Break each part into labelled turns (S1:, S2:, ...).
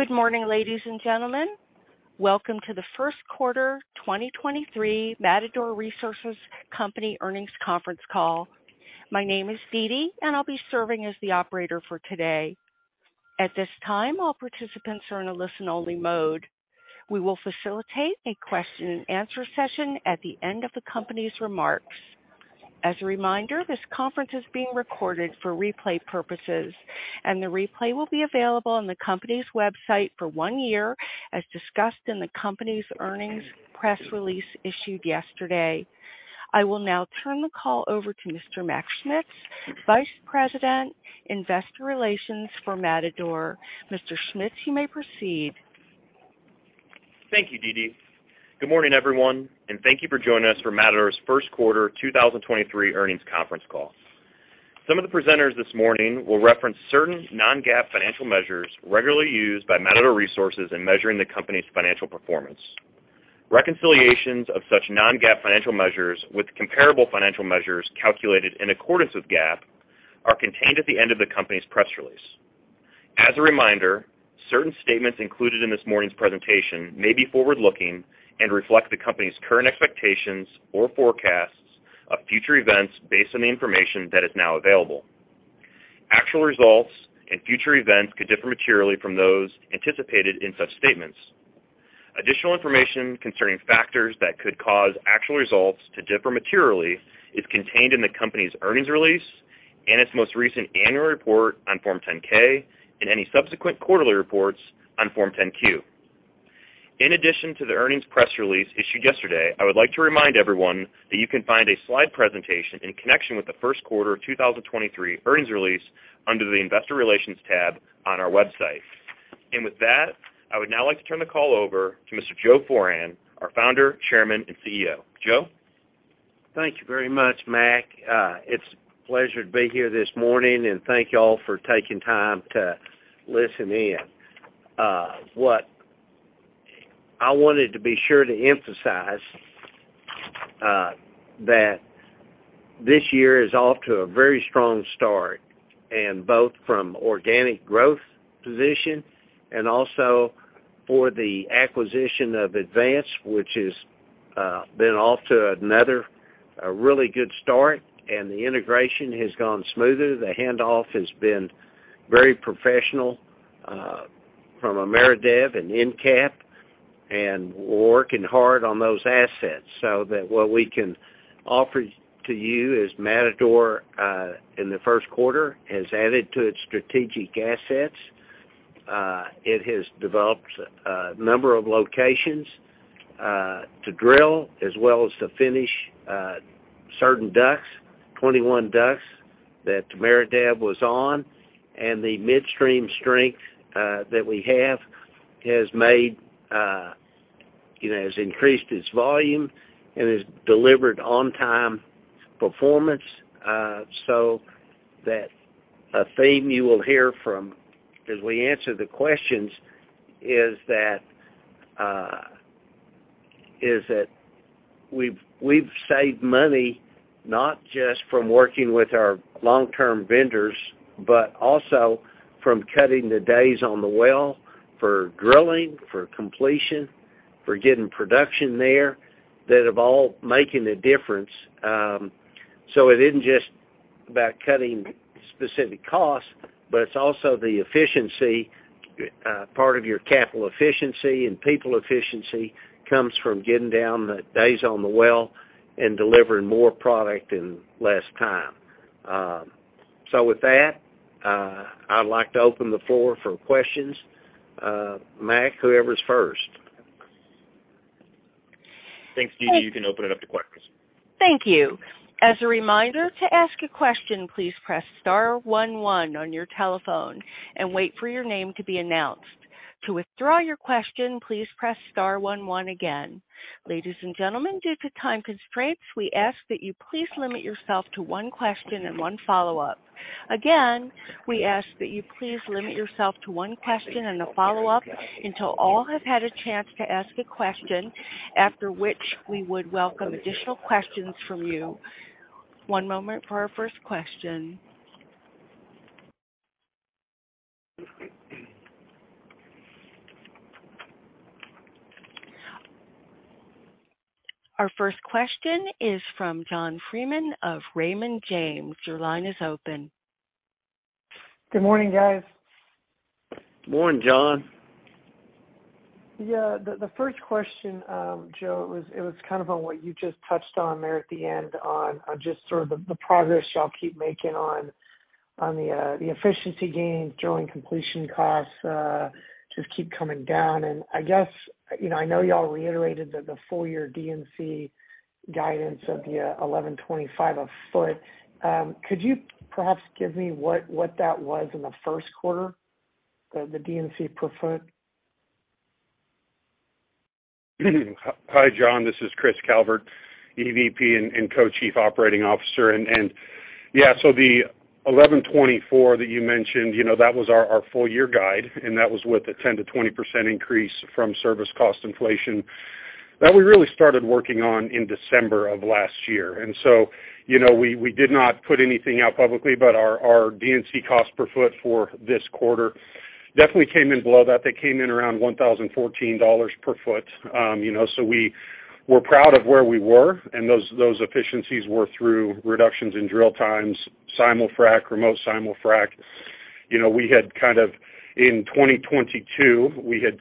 S1: Good morning, ladies and gentlemen. Welcome to the first quarter 2023 Matador Resources Company earnings conference call. My name is Didi. I'll be serving as the operator for today. At this time, all participants are in a listen-only mode. We will facilitate a question and answer session at the end of the company's remarks. As a reminder, this conference is being recorded for replay purposes. The replay will be available on the company's website for one year, as discussed in the company's earnings press release issued yesterday. I will now turn the call over to Mr. Mac Schmitz, Vice President, Investor Relations for Matador. Mr. Schmitz, you may proceed.
S2: Thank you, Didi. Good morning, everyone, and thank you for joining us for Matador's first quarter 2023 earnings conference call. Some of the presenters this morning will reference certain non-GAAP financial measures regularly used by Matador Resources in measuring the company's financial performance. Reconciliations of such non-GAAP financial measures with comparable financial measures calculated in accordance with GAAP are contained at the end of the company's press release. As a reminder, certain statements included in this morning's presentation may be forward-looking and reflect the company's current expectations or forecasts of future events based on the information that is now available. Actual results and future events could differ materially from those anticipated in such statements. Additional information concerning factors that could cause actual results to differ materially is contained in the company's earnings release and its most recent annual report on Form 10-K and any subsequent quarterly reports on Form 10-Q. In addition to the earnings press release issued yesterday, I would like to remind everyone that you can find a slide presentation in connection with the first quarter of 2023 earnings release under the Investor Relations tab on our website. With that, I would now like to turn the call over to Mr. Joe Foran, our Founder, Chairman, and CEO. Joe?
S3: Thank you very much, Mack. It's a pleasure to be here this morning, and thank you all for taking time to listen in. What I wanted to be sure to emphasize, that this year is off to a very strong start, and both from organic growth position and also for the acquisition of Advance, which has been off to another really good start, and the integration has gone smoother. The handoff has been very professional from Ameredev and EnCap, and we're working hard on those assets so that what we can offer to you is Matador, in the first quarter has added to its strategic assets. It has developed a number of locations to drill as well as to finish certain DUCs, 21 DUCs that Ameredev was on. The midstream strength that we have has made, has increased its volume and has delivered on-time performance, so that a theme you will hear from as we answer the questions is that we've saved money, not just from working with our long-term vendors, but also from cutting the days on the well for drilling, for completion, for getting production there that have all making a difference. It isn't just about cutting specific costs, but it's also the efficiency part of your capital efficiency and people efficiency comes from getting down the days on the well and delivering more product in less time. With that, I'd like to open the floor for questions. Mack, whoever's first.
S2: Thanks, Didi. You can open it up to questions.
S1: Thank you. As a reminder, to ask a question, please press star one one on your telephone and wait for your name to be announced. To withdraw your question, please press star one one again. Ladies and gentlemen, due to time constraints, we ask that you please limit yourself to one question and one follow-up. Again, we ask that you please limit yourself to one question and a follow-up until all have had a chance to ask a question, after which we would welcome additional questions from you. one moment for our first question. Our first question is from John Freeman of Raymond James. Your line is open.
S4: Good morning, guys.
S3: Morning, John.
S4: Yeah. The first question, Joe, it was kind of on what you just touched on there at the end on just sort of the progress y'all keep making on the efficiency gains, drilling completion costs just keep coming down. I guess, you know, I know y'all reiterated that the full-year D&C guidance of the $1,125 a foot. Could you perhaps give me what that was in the first quarter, the D&C per foot?
S5: Hi, John, this is Chris Calvert, EVP and Co-Chief Operating Officer. Yeah, so the 1,124 that you mentioned, you know, that was our full-year guide, and that was with a 10%-20% increase from service cost inflation. That we really started working on in December of last year. We did not put anything out publicly, but our D&C cost per foot for this quarter definitely came in below that. They came in around $1,014 per foot. We were proud of where we were, and those efficiencies were through reductions in drill times, simul frac, remote simul frac. We had kind of, in 2022, we had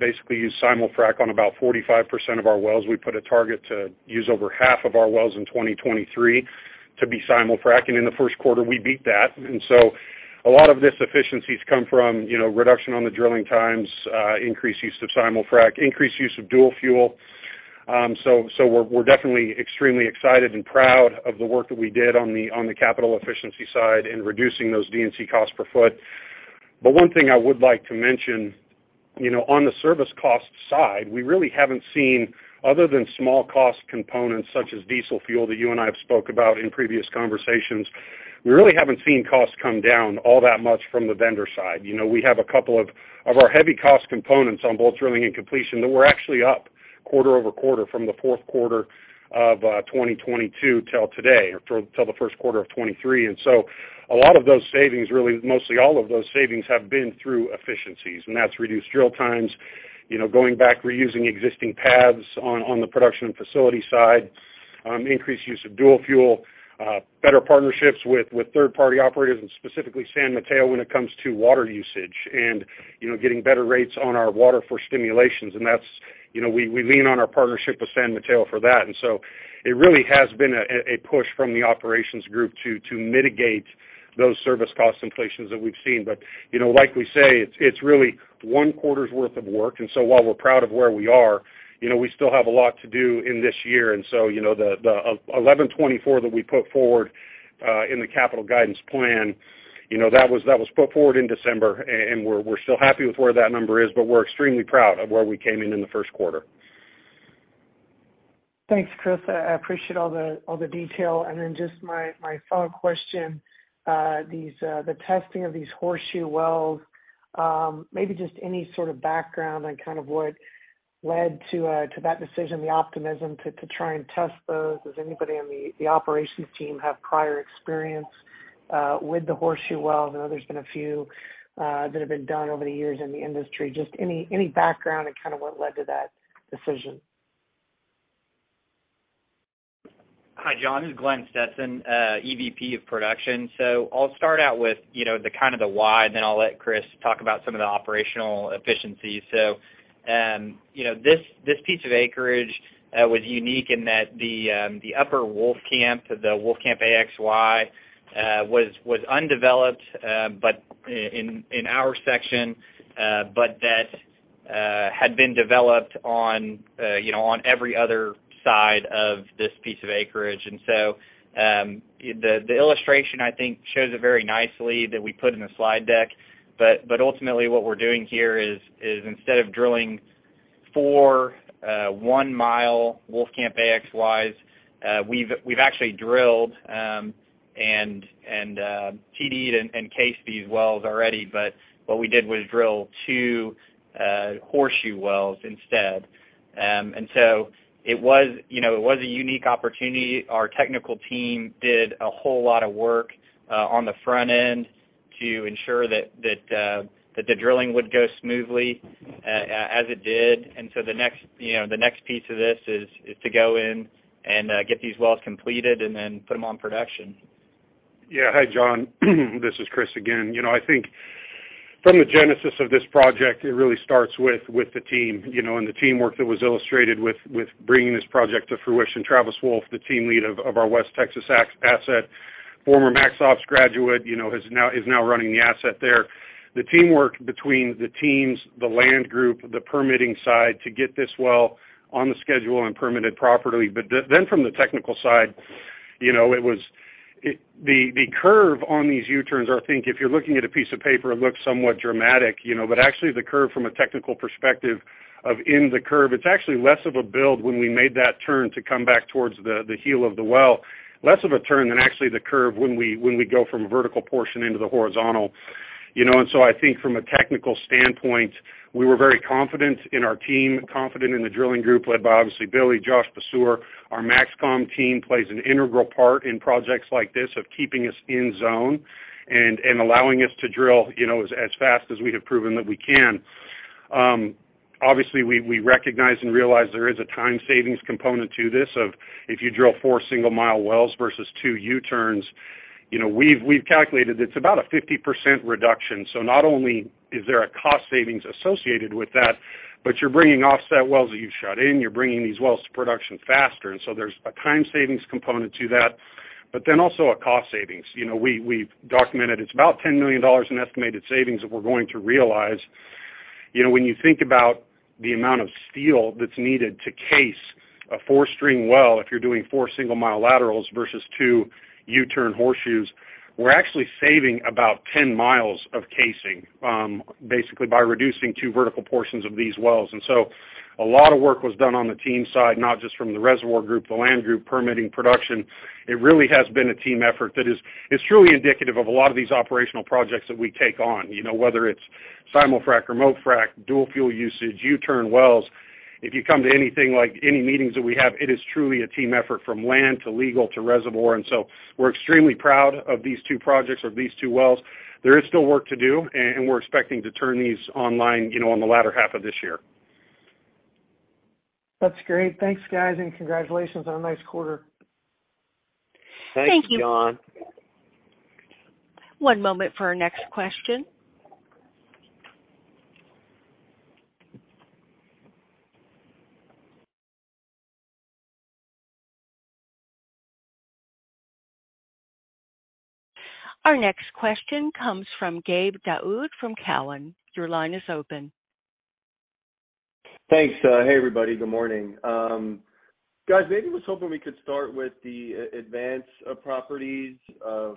S5: basically used simul frac on about 45% of our wells. We put a target to use over half of our wells in 2023 to be simul frac, and in the first quarter, we beat that. A lot of this efficiencies come from, you know, reduction on the drilling times, increased use of simul-frac, increased use of dual fuel. So we're definitely extremely excited and proud of the work that we did on the capital efficiency side in reducing those D&C costs per foot. One thing I would like to mention, you know, on the service cost side, we really haven't seen, other than small cost components such as diesel fuel that you and I have spoke about in previous conversations, we really haven't seen costs come down all that much from the vendor side. You know, we have a couple of our heavy cost components on both drilling and completion that were actually up quarter-over-quarter from the fourth quarter of 2022 till today, or till the first quarter of 2023. A lot of those savings, really mostly all of those savings, have been through efficiencies, and that's reduced drill times, you know, going back, reusing existing pads on the production and facility side, increased use of dual fuel, better partnerships with third-party operators, and specifically San Mateo when it comes to water usage and, you know, getting better rates on our water for stimulations. That's, you know, we lean on our partnership with San Mateo for that. It really has been a push from the operations group to mitigate those service cost inflations that we've seen. You know, like we say, it's really one quarter's worth of work, while we're proud of where we are, you know, we still have a lot to do in this year. You know, the 1,124 that we put forward in the capital guidance plan, you know, that was put forward in December, and we're still happy with where that number is, but we're extremely proud of where we came in in the first quarter.
S4: Thanks, Chris. I appreciate all the detail. Just my follow-up question, these the testing of these horseshoe wells, maybe just any sort of background on kind of what led to that decision, the optimism to try and test those. Does anybody on the operations team have prior experience with the horseshoe wells? I know there's been a few that have been done over the years in the industry. Just any background and kind of what led to that decision.
S6: Hi, John, this is Glenn Stetson, EVP of Production. I'll start out with, you know, the kind of the why, and then I'll let Chris talk about some of the operational efficiencies. You know, this piece of acreage was unique in that the Upper Wolf Camp, the Wolf Camp A-XY, was undeveloped in our section, but that had been developed on, you know, on every other side of this piece of acreage. The illustration, I think, shows it very nicely that we put in the slide deck. Ultimately what we're doing here is, instead of drilling four one-mile Wolf Camp A-XYs, we've actually drilled, and seeded and cased these wells already. What we did was drill one horseshoe wells instead. It was, you know, it was a unique opportunity. Our technical team did a whole lot of work on the front end to ensure that the drilling would go smoothly as it did. The next, you know, the next piece of this is to go in and get these wells completed and then put them on production.
S5: Yeah. Hi, John. This is Chris again. You know, I think from the genesis of this project, it really starts with the team, you know, and the teamwork that was illustrated with bringing this project to fruition. Travis Wolf, the team lead of our West Texas asset, former MAXCOM graduate, you know, is now running the asset there. The teamwork between the teams, the land group, the permitting side to get this well on the schedule and permitted properly. Then from the technical side, you know, the curve on these U-turns are, I think, if you're looking at a piece of paper, it looks somewhat dramatic, you know. Actually the curve from a technical perspective of in the curve, it's actually less of a build when we made that turn to come back towards the heel of the well, less of a turn than actually the curve when we go from a vertical portion into the horizontal. You know, I think from a technical standpoint, we were very confident in our team, confident in the drilling group led by obviously Billy, Josh Passauer. Our MAXCOM team plays an integral part in projects like this of keeping us in zone and allowing us to drill, you know, as fast as we have proven that we can. Obviously we recognize and realize there is a time savings component to this of if you drill four single-mile wells versus two U-turns, we've calculated it's about a 50% reduction. Not only is there a cost savings associated with that, but you're bringing offset wells that you've shut in, you're bringing these wells to production faster. There's a time savings component to that, a cost savings. We've documented it's about $10 million in estimated savings that we're going to realize. When you think about the amount of steel that's needed to case a four string well, if you're doing four single-mile laterals versus two U-turn horseshoes, we're actually saving about 10 miles of casing, basically by reducing two vertical portions of these wells. A lot of work was done on the team side, not just from the reservoir group, the land group, permitting production. It really has been a team effort that is truly indicative of a lot of these operational projects that we take on. You know, whether it's simul-frac, remote-frac, dual fuel usage, U-turn wells If you come to anything like any meetings that we have, it is truly a team effort from land to legal to reservoir. We're extremely proud of these two projects or these two wells. There is still work to do, and we're expecting to turn these online, you know, on the latter half of this year.
S4: That's great. Thanks, guys, and congratulations on a nice quarter.
S5: Thank you.
S1: Thank you. One moment for our next question. Our next question comes from Gabe Daoud from Cowen. Your line is open.
S7: Thanks. Hey, everybody. Good morning. Guys, maybe I was hoping we could start with the Advance properties.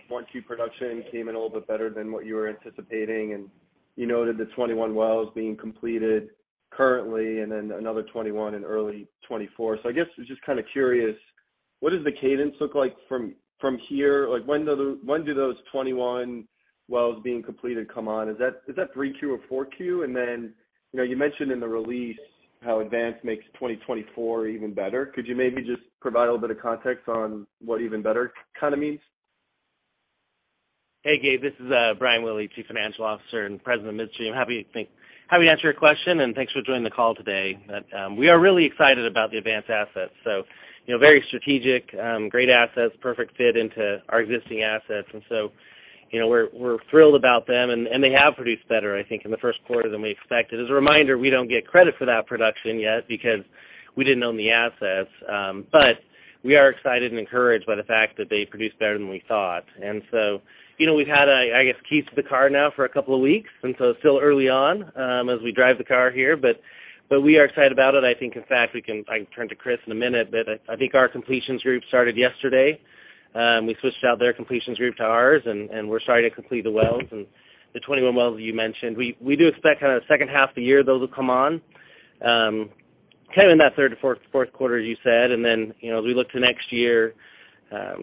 S7: One-two production came in a little bit better than what you were anticipating, and you noted the 21 wells being completed currently and then another 21 in early 2024. I guess, I was just kind of curious, what does the cadence look like from here? Like, when do those 21 wells being completed come on? Is that 3Q or 4Q? Then, you know, you mentioned in the release how Advance makes 2024 even better. Could you maybe just provide a little bit of context on what even better kind of means?
S8: Hey, Gabe, this is Brian Willey, Chief Financial Officer and President of Midstream. Happy to answer your question, and thanks for joining the call today. We are really excited about the Advance assets. You know, very strategic, great assets, perfect fit into our existing assets. You know, we're thrilled about them, and they have produced better, I think, in the first quarter than we expected. As a reminder, we don't get credit for that production yet because we didn't own the assets. We are excited and encouraged by the fact that they produced better than we thought. You know, we've had, I guess, keys to the car now for a couple of weeks, and it's still early on, as we drive the car here, but we are excited about it. I think, in fact, I can turn to Chris in a minute, but I think our completions group started yesterday. We switched out their completions group to ours, and we're starting to complete the wells. The 21 wells that you mentioned, we do expect kind of second half of the year, those will come on, kind of in that third to fourth quarter, as you said. You know, as we look to next year,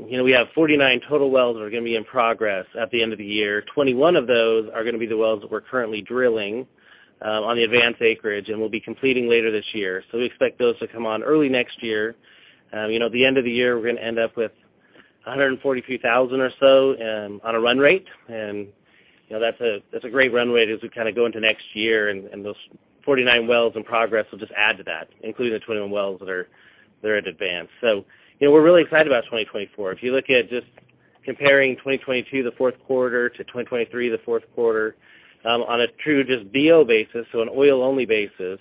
S8: you know, we have 49 total wells that are gonna be in progress at the end of the year. 21 of those are gonna be the wells that we're currently drilling, on the Advance acreage and will be completing later this year. We expect those to come on early next year. you know, at the end of the year, we're gonna end up with 143,000 or so, on a run rate. you know, that's a great run rate as we kinda go into next year. those 49 wells in progress will just add to that, including the 21 wells that are there at Advance. So, you know, we're really excited about 2024. If you look at just comparing 2022, the fourth quarter, to 2023, the fourth quarter, on a true just BO basis, so an oil-only basis,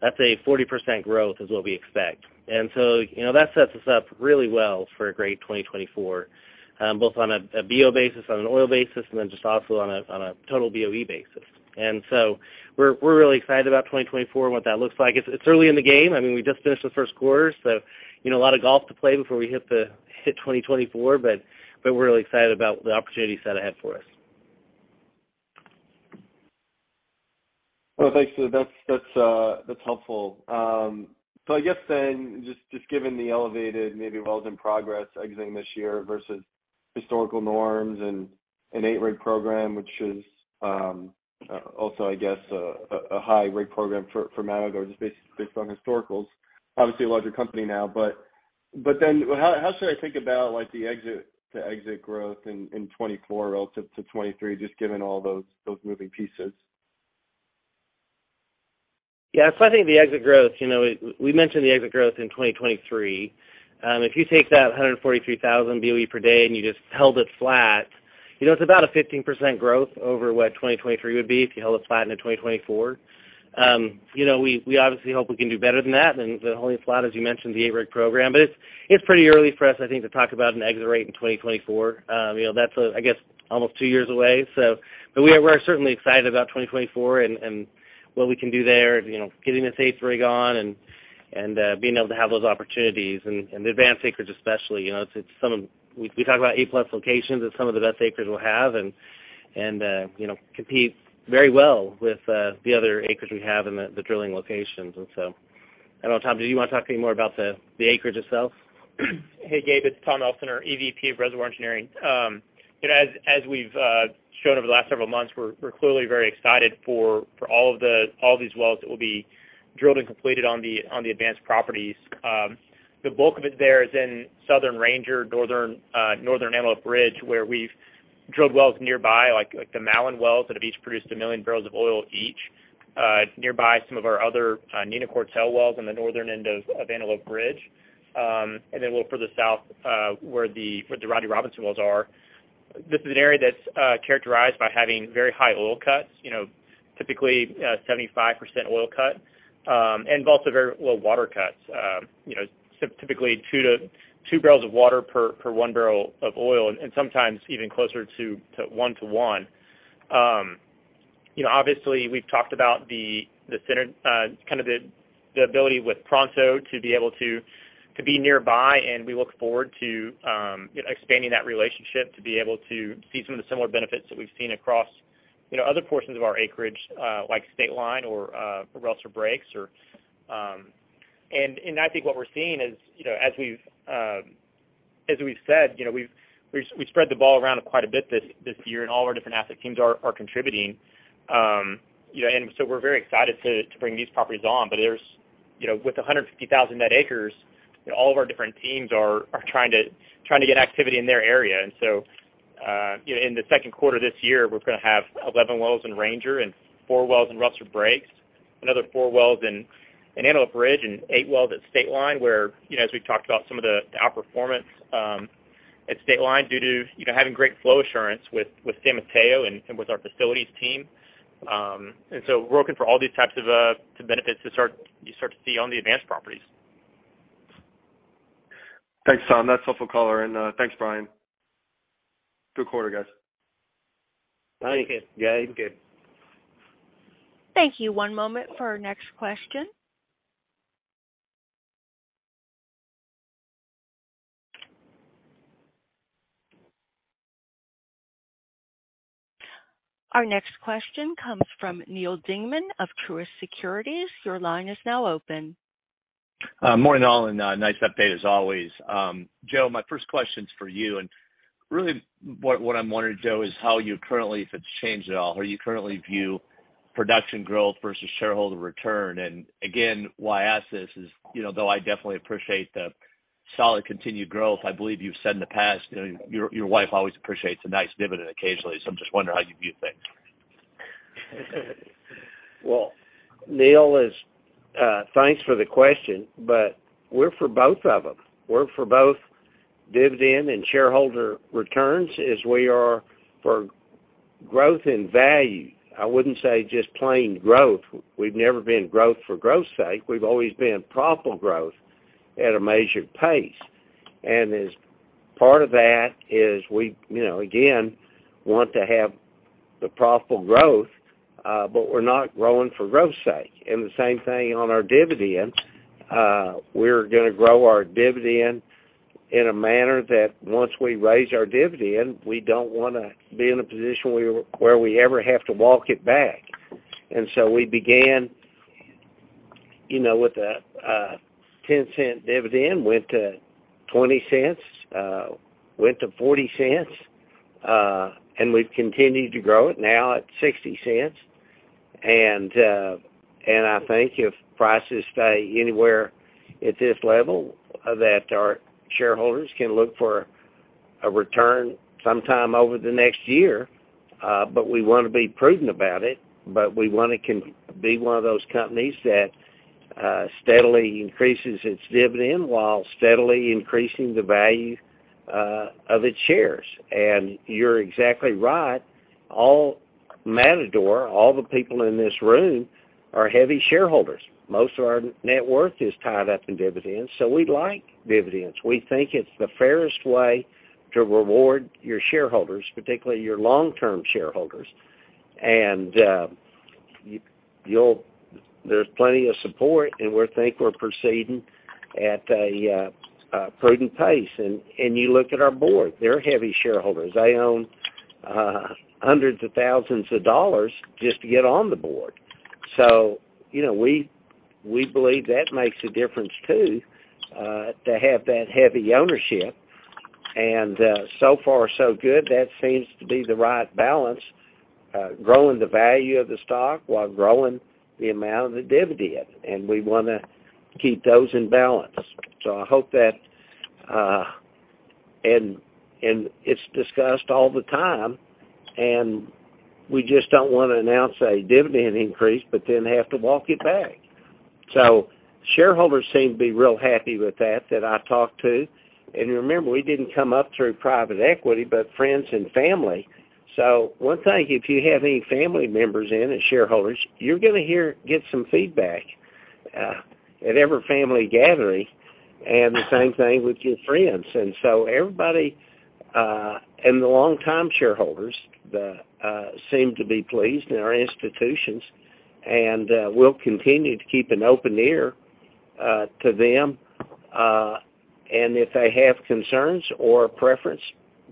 S8: that's a 40% growth is what we expect. you know, that sets us up really well for a great 2024, both on a BO basis, on an oil basis, and then just also on a, on a total BOE basis. We're really excited about 2024 and what that looks like. It's early in the game. I mean, we just finished the first quarter, you know, a lot of golf to play before we hit 2024. We're really excited about the opportunity set ahead for us.
S7: Thanks. That's helpful. I guess then just given the elevated maybe wells in progress exiting this year versus historical norms and an eight-rig program, which is also, I guess a high rig program for Matador, just based on historicals, obviously a larger company now. How should I think about, like, the exit-to-exit growth in 2024 relative to 2023, just given all those moving pieces?
S8: Yeah. I think the exit growth, you know, we mentioned the exit growth in 2023. If you take that 143,000 BOE per day and you just held it flat, you know, it's about a 15% growth over what 2023 would be if you held it flat into 2024. You know, we obviously hope we can do better than that than holding it flat, as you mentioned, the eight-rig program. It's pretty early for us, I think, to talk about an exit rate in 2024. You know, that's, I guess almost two years away. We are, we're certainly excited about 2024 and what we can do there, you know, getting this 8-rig on and being able to have those opportunities and the Advance acreage especially. You know, it's some of... We talk about A-plus locations. It's some of the best acreage we'll have and, you know, compete very well with the other acreage we have in the drilling locations. I don't know, Tom, did you wanna talk any more about the acreage itself?
S9: Hey, Gabe, it's Tom Elsener, our EVP of Reservoir Engineering. You know, as we've shown over the last several months, we're clearly very excited for all these wells that will be drilled and completed on the Advance properties. The bulk of it there is in southern Ranger, northern Antelope Ridge, where we've drilled wells nearby, like the Mallon wells that have each produced a million barrels of oil each. Nearby some of our other Nina Cortell wells in the northern end of Antelope Ridge. A little further south, where the Rodney Robinson wells are. This is an area that's characterized by having very high oil cuts, you know, typically, 75% oil cut, and also very low water cuts. you know, typically two to two barrels of water per one barrel of oil and sometimes even closer to one to one. you know, obviously we've talked about the ability with Pronto to be able to be nearby, and we look forward to, you know, expanding that relationship to be able to see some of the similar benefits that we've seen across, you know, other portions of our acreage, like State Line or Rustler Breaks or... I think what we're seeing is, you know, as we've said, you know, we spread the ball around quite a bit this year, and all of our different asset teams are contributing. you know, and so we're very excited to bring these properties on. There's, you know, with 150,000 net acres, all of our different teams are trying to get activity in their area. In the second quarter this year, we're gonna have 11 wells in Ranger and four wells in Rustler Breaks, another four wells in Antelope Ridge, and eight wells at State Line, where, you know, as we've talked about some of the outperformance at State Line due to, you know, having great flow assurance with San Mateo and with our facilities team. We're looking for all these types of benefits to start to see on the Advance properties.
S7: Thanks, Tom. That's helpful color. Thanks, Brian. Good quarter, guys.
S8: Thank you.
S9: Yeah. Thank you.
S1: Thank you. One moment for our next question. Our next question comes from Neal Dingmann of Truist Securities. Your line is now open.
S10: Morning, all, and nice update as always. Joe, my first question is for you. Really what I'm wondering, Joe, is how you currently, if it's changed at all, how you currently view production growth versus shareholder return. Again, why I ask this is, you know, though I definitely appreciate the solid continued growth, I believe you've said in the past, you know, your wife always appreciates a nice dividend occasionally. I'm just wondering how you view things.
S3: Well, Neal, thanks for the question, but we're for both of them. We're for both dividend and shareholder returns as we are for growth in value. I wouldn't say just plain growth. We've never been growth for growth's sake. We've always been profitable growth at a measured pace. As part of that is we, you know, again, want to have the profitable growth, but we're not growing for growth's sake. The same thing on our dividend. We're gonna grow our dividend in a manner that once we raise our dividend, we don't wanna be in a position where we ever have to walk it back. We began, you know, with a $0.10 dividend, went to $0.20, went to $0.40, and we've continued to grow it now at $0.60. I think if prices stay anywhere at this level, that our shareholders can look for a return sometime over the next year, but we wanna be prudent about it. We wanna be one of those companies that steadily increases its dividend while steadily increasing the value of its shares. You're exactly right, all Matador, all the people in this room are heavy shareholders. Most of our net worth is tied up in dividends, so we like dividends. We think it's the fairest way to reward your shareholders, particularly your long-term shareholders. There's plenty of support, and we think we're proceeding at a prudent pace. You look at our board, they're heavy shareholders. They own hundreds of thousands of dollars just to get on the board. you know, we believe that makes a difference, too, to have that heavy ownership. so far, so good. That seems to be the right balance, growing the value of the stock while growing the amount of the dividend, and we wanna keep those in balance. I hope that. it's discussed all the time, and we just don't wanna announce a dividend increase, but then have to walk it back. Shareholders seem to be real happy with that I've talked to. Remember, we didn't come up through private equity, but friends and family. One thing, if you have any family members in as shareholders, you're gonna get some feedback, at every family gathering, and the same thing with your friends. Everybody, and the longtime shareholders seem to be pleased and our institutions, and we'll continue to keep an open ear to them. If they have concerns or preference,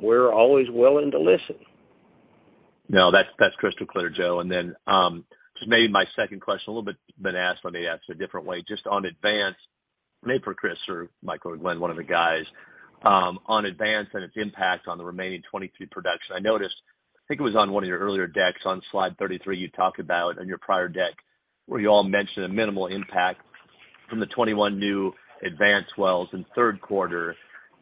S3: we're always willing to listen.
S10: No, that's crystal clear, Joe. Just maybe my second question, a little bit been asked, let me ask it a different way, just on Advance, maybe for Chris or Michael or Glenn, one of the guys, on Advance and its impact on the remaining 22 production. I noticed, I think it was on one of your earlier decks on slide 33, you talked about on your prior deck where you all mentioned a minimal impact from the 21 new Advance wells in third quarter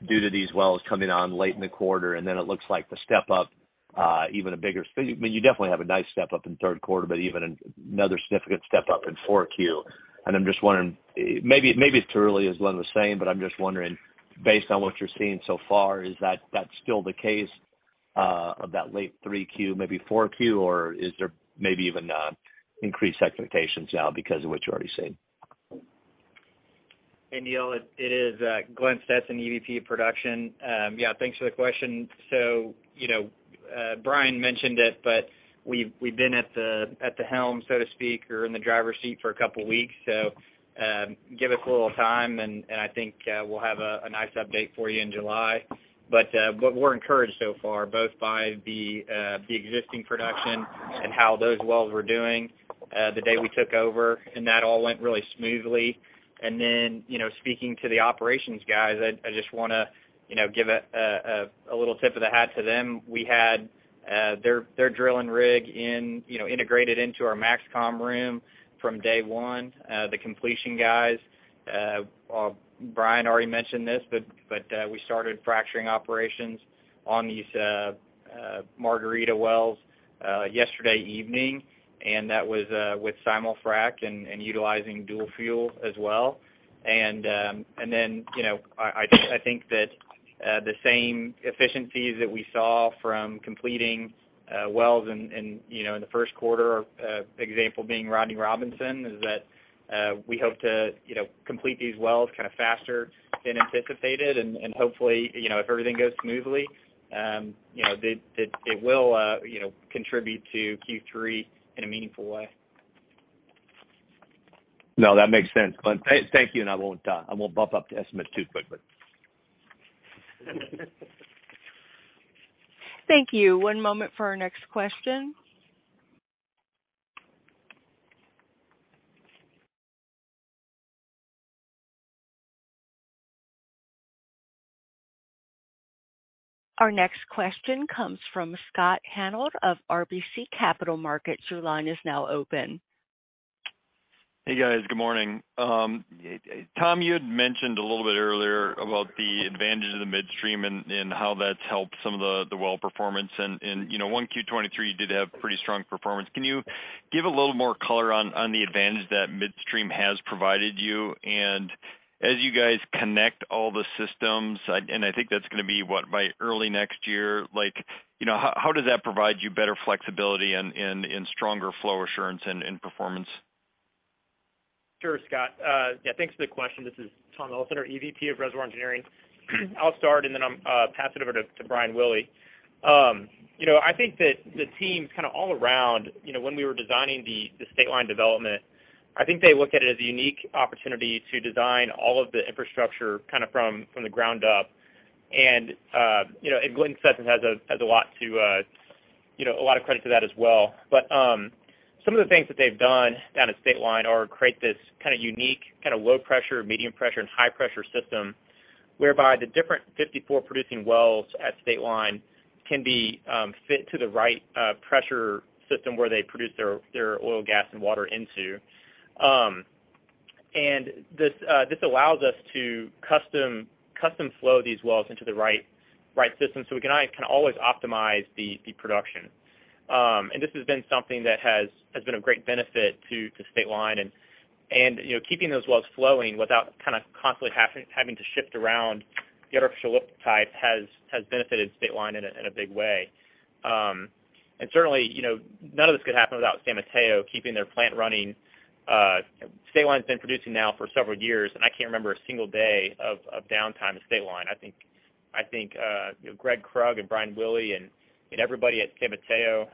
S10: due to these wells coming on late in the quarter. It looks like the step up, but you definitely have a nice step up in third quarter, but even another significant step up in 4Q. I'm just wondering, maybe it's too early, as Glenn was saying, but I'm just wondering, based on what you're seeing so far, is that still the case, of that late 3Q, maybe 4Q, or is there maybe even, increased expectations now because of what you've already seen?
S6: Hey, Neal, it is Glenn Stetson, EVP of Production. Yeah, thanks for the question. You know, Brian mentioned it, we've been at the helm, so to speak, or in the driver's seat for a couple weeks. Give us a little time, and I think we'll have a nice update for you in July. we're encouraged so far, both by the existing production and how those wells were doing the day we took over, and that all went really smoothly. You know, speaking to the operations guys, I just wanna, you know, give a little tip of the hat to them. We had their drilling rig in... you know, integrated into our MAXCOM room from day one. The completion guys, well, Brian already mentioned this, but we started fracturing operations on these Margarita wells yesterday evening, and that was with simul-frac and utilizing dual fuel as well. Then, you know, I think that the same efficiencies that we saw from completing wells in the first quarter, example being Rodney Robinson, is that we hope to, you know, complete these wells kind of faster than anticipated. Hopefully, you know, if everything goes smoothly, you know, that it will, you know, contribute to Q3 in a meaningful way.
S10: No, that makes sense, Glenn. Thank you, and I won't bump up the estimate too quickly.
S1: Thank you. One moment for our next question. Our next question comes from Scott Hanold of RBC Capital Markets. Your line is now open.
S11: Hey, guys. Good morning. Tom, you had mentioned a little bit earlier about the advantage of the midstream and how that's helped some of the well performance. You know, 1Q23 did have pretty strong performance. Can you give a little more color on the advantage that midstream has provided you? As you guys connect all the systems, I think that's gonna be, what, by early next year. You know, how does that provide you better flexibility in stronger flow assurance and performance?
S9: Sure, Scott. Yeah, thanks for the question. This is Tom Elsener, EVP of Reservoir Engineering. I'll start, and then I'll pass it over to Brian Willey. You know, I think that the team kind of all around, you know, when we were designing the State Line development, I think they looked at it as a unique opportunity to design all of the infrastructure kind of from the ground up. You know, and Glenn Stetson has a lot to, you know, a lot of credit to that as well. Some of the things that they've done down at State Line are create this kind of unique, kind of low pressure, medium pressure, and high pressure system, whereby the different 54 producing wells at State Line can be fit to the right pressure system where they produce their oil, gas, and water into. This allows us to custom flow these wells into the right system so we can kind of always optimize the production. This has been something that has been a great benefit to State Line and, you know, keeping those wells flowing without kind of constantly having to shift around the artificial lift type has benefited State Line in a big way. Certainly, you know, none of this could happen without San Mateo keeping their plant running. State Line's been producing now for several years, and I can't remember a single day of downtime at State Line. I think, you know, Gregg Krug and Brian Willey and everybody at San Mateo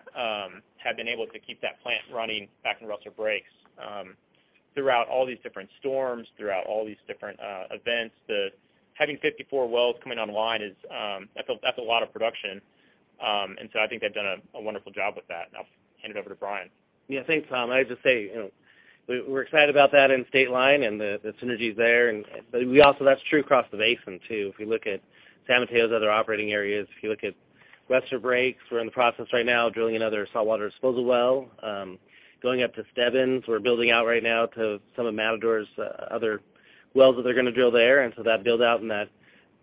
S9: have been able to keep that plant running back in Rustler Breaks throughout all these different storms, throughout all these different events. Having 54 wells coming online is, that's a lot of production. I think they've done a wonderful job with that, and I'll hand it over to Brian.
S8: Yeah. Thanks, Tom. I'd just say, you know, we're excited about that in State Line and the synergies there. That's true across the basin too. If you look at San Mateo's other operating areas, if you look at Rustler Breaks, we're in the process right now of drilling another saltwater disposal well. Going up to Stebbins, we're building out right now to some of Matador's other wells that they're gonna drill there. That build-out and that,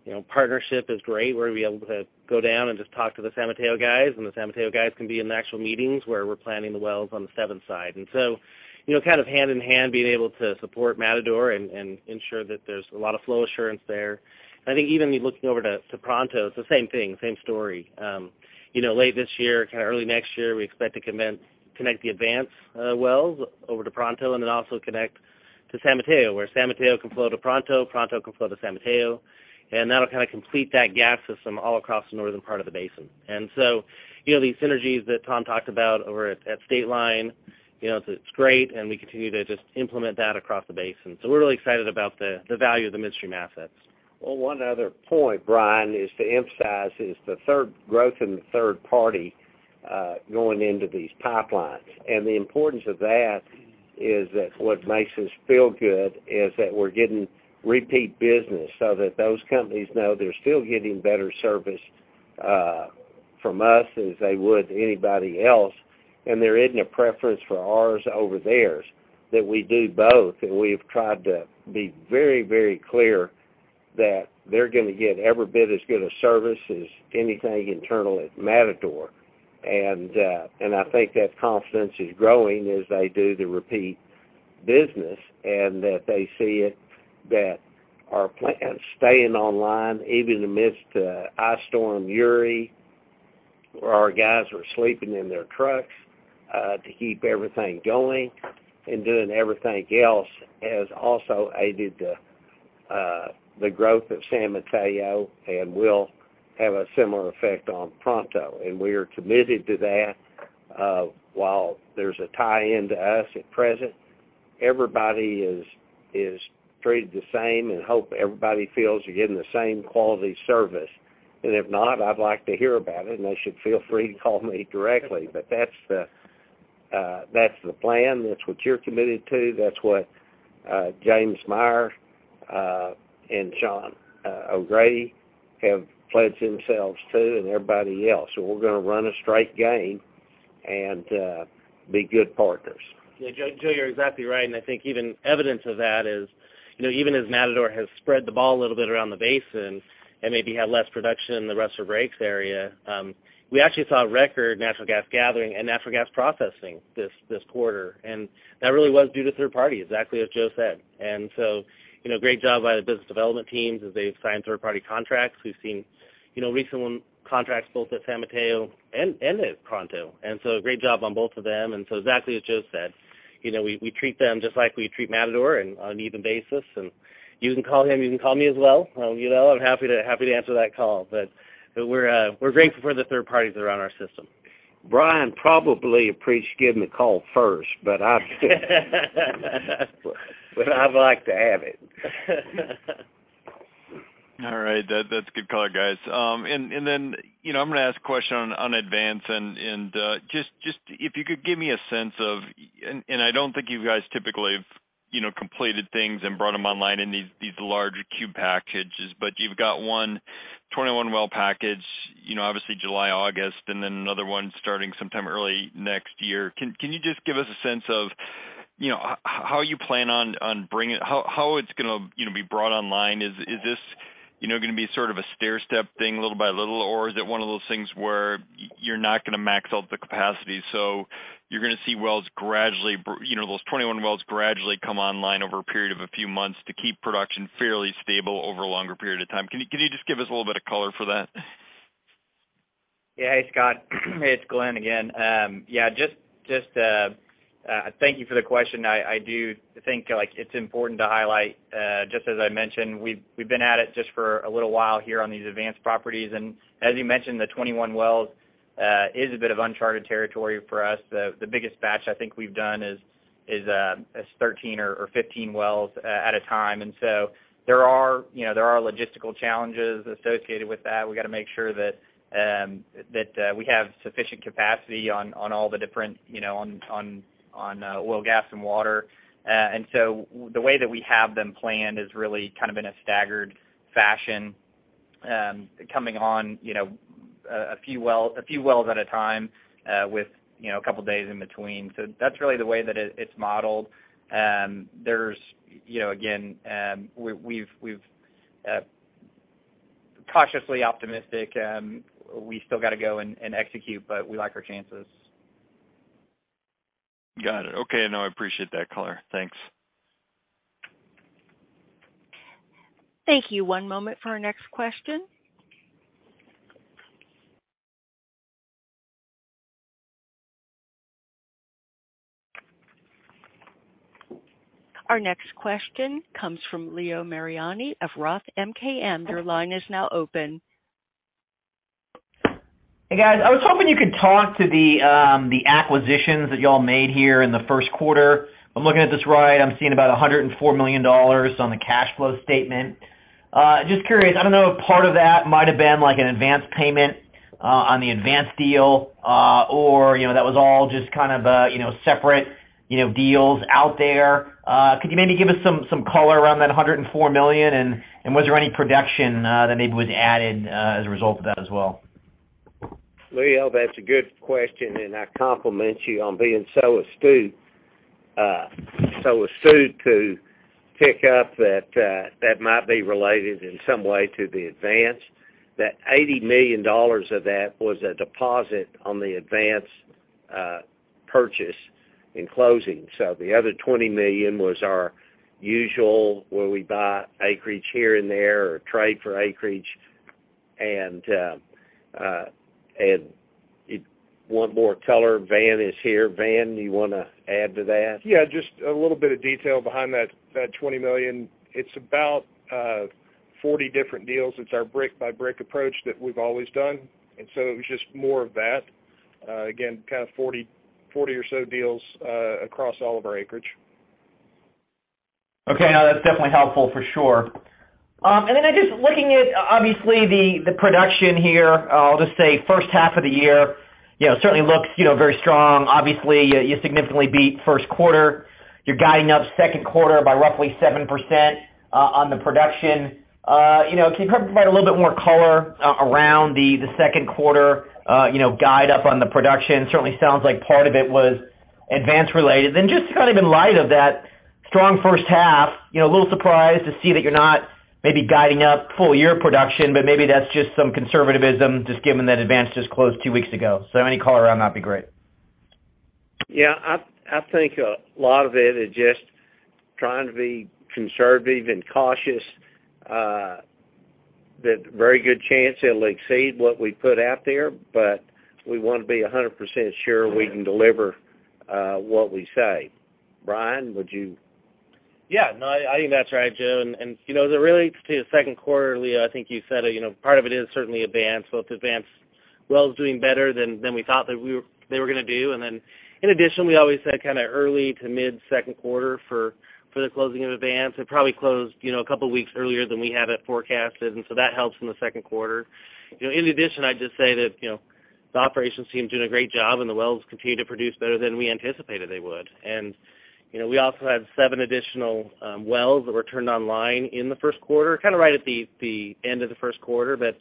S8: you know, partnership is great, where we're able to go down and just talk to the San Mateo guys, and the San Mateo guys can be in the actual meetings where we're planning the wells on the Stebbins side. You know, kind of hand in hand, being able to support Matador and ensure that there's a lot of flow assurance there. I think even looking over to Pronto, it's the same thing, same story. You know, late this year, kinda early next year, we expect to connect the Advance wells over to Pronto and then also connect to San Mateo, where San Mateo can flow to Pronto can flow to San Mateo, and that'll kinda complete that gas system all across the northern part of the basin. You know, the synergies that Tom talked about over at State Line, you know, it's great, and we continue to just implement that across the basin. So we're really excited about the value of the midstream assets.
S3: Well, one other point, Brian, is to emphasize is the third growth in the third party, going into these pipelines. The importance of that is that what makes us feel good is that we're getting repeat business so that those companies know they're still getting better service, from us as they would anybody else. There isn't a preference for ours over theirs, that we do both. We've tried to be very, very clear that they're gonna get every bit as good a service as anything internal at Matador. I think that confidence is growing as they do the repeat business and that they see it, that our plant staying online, even amidst Winter Storm Uri, where our guys were sleeping in their trucks, to keep everything going and doing everything else, has also aided the growth of San Mateo and will have a similar effect on Pronto. We are committed to that, while there's a tie-in to us at present. Everybody is treated the same and hope everybody feels they're getting the same quality service. If not, I'd like to hear about it, and they should feel free to call me directly. That's the plan. That's what you're committed to. That's what James Meyer and Sean O'Grady have pledged themselves to and everybody else. We're gonna run a straight game and be good partners.
S8: Yeah, Joe, you're exactly right. I think even evidence of that is, you know, even as Matador has spread the ball a little bit around the basin and maybe had less production in the Rustler Breaks area, we actually saw record natural gas gathering and natural gas processing this quarter. That really was due to third party, exactly as Joe said. You know, great job by the business development teams as they've signed third party contracts. We've seen, you know, recent one contracts both at San Mateo and at Pronto. Great job on both of them. Exactly as Joe said, you know, we treat them just like we treat Matador and on an even basis. You can call him, you can call me as well. You know, I'm happy to answer that call. We're grateful for the third parties around our system.
S3: Brian probably appreciate you giving me a call first, but I'd like to have it.
S11: All right. That's a good call, guys. You know, I'm gonna ask a question on Advance and, just if you could give me a sense of... I don't think you guys typically have, you know, completed things and brought them online in these larger queue packages, but you've got 121 well package, you know, obviously July, August, and then another one starting sometime early next year. Can you just give us a sense of, you know, how you plan on how it's gonna, you know, be brought online? Is this, you know, gonna be sort of a stairstep thing little by little, or is it one of those things where you're not gonna max out the capacity, so you're gonna see wells gradually, you know, those 21 wells gradually come online over a period of a few months to keep production fairly stable over a longer period of time? Can you, can you just give us a little bit of color for that?
S6: Yeah. Hey, Scott. Hey, it's Glenn again. Just, thank you for the question. I do think, like, it's important to highlight, just as I mentioned, we've been at it just for a little while here on these Advance properties. As you mentioned, the 21 wells is a bit of uncharted territory for us. The biggest batch I think we've done is 13 or 15 wells at a time. There are, you know, there are logistical challenges associated with that. We gotta make sure that we have sufficient capacity on all the different, you know, on oil, gas, and water. The way that we have them planned is really kind of in a staggered fashion, coming on, you know, a few wells at a time, with, you know, a couple days in between. That's really the way that it's modeled. There's, you know, again, we've cautiously optimistic. We still gotta go and execute, but we like our chances.
S11: Got it. Okay. No, I appreciate that color. Thanks.
S1: Thank you. One moment for our next question. Our next question comes from Leo Mariani of Roth MKM. Your line is now open.
S12: Hey, guys. I was hoping you could talk to the acquisitions that y'all made here in the first quarter. If I'm looking at this right, I'm seeing about $104 million on the cash flow statement. Just curious, I don't know if part of that might have been an advanced payment on the Advance deal, or, you know, that was all just kind of, you know, separate, you know, deals out there. Could you maybe give us some color around that $104 million? Was there any production that maybe was added as a result of that as well?
S3: Leo, that's a good question. I compliment you on being so astute to pick up that might be related in some way to the Advance. That $80 million of that was a deposit on the Advance purchase in closing. The other $20 million was our usual, where we buy acreage here and there or trade for acreage. If you want more color, Van is here. Van, you wanna add to that?
S13: Yeah, just a little bit of detail behind that $20 million. It's about 40 different deals. It's our brick by brick approach that we've always done. It was just more of that. Again, kind of 40 or so deals across all of our acreage.
S12: Okay. No, that's definitely helpful for sure. Just looking at obviously the production here, I'll just say first half of the year, you know, certainly looks, you know, very strong. Obviously, you significantly beat first quarter. You're guiding up second quarter by roughly 7% on the production. You know, can you provide a little bit more color around the second quarter, you know, guide up on the production? Certainly sounds like part of it was Advance related. Just kind of in light of that strong first half, you know, a little surprised to see that you're not maybe guiding up full year production, but maybe that's just some conservativism just given that Advance just closed two weeks ago. Any color around that would be great.
S3: Yeah. I think a lot of it is just trying to be conservative and cautious. There's a very good chance it'll exceed what we put out there, but we wanna be 100% sure we can deliver, what we say. Brian, would you-
S8: Yeah, no, I think that's right, Joe. You know, as it relates to the second quarter, Leo, I think you said it, you know, part of it is certainly Advance, both Advance wells doing better than we thought that they were gonna do. In addition, we always said kinda early to mid-second quarter for the closing of Advance. It probably closed, you know, a couple weeks earlier than we had it forecasted, that helps in the second quarter. You know, in addition, I'd just say that, you know, the operations team's doing a great job and the wells continue to produce better than we anticipated they would. You know, we also have seven additional wells that were turned online in the first quarter, kinda right at the end of the first quarter, but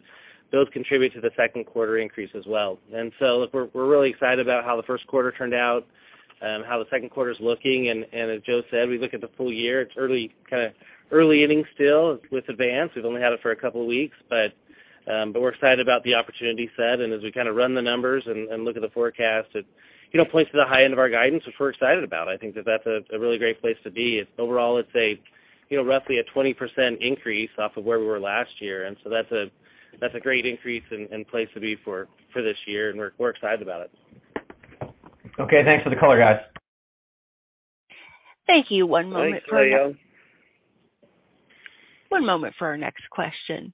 S8: those contribute to the second quarter increase as well. Look, we're really excited about how the first quarter turned out, how the second quarter's looking. As Joe said, we look at the full year, it's early, kinda early innings still with Advance. We've only had it for a couple of weeks, but we're excited about the opportunity set. As we kinda run the numbers and look at the forecast, it, you know, points to the high end of our guidance, which we're excited about. I think that that's a really great place to be. Overall, it's a, you know, roughly a 20% increase off of where we were last year. That's a, that's a great increase and place to be for this year, and we're excited about it.
S12: Okay, thanks for the color, guys.
S1: Thank you. One moment for our next-
S8: Thanks, Leo.
S1: One moment for our next question.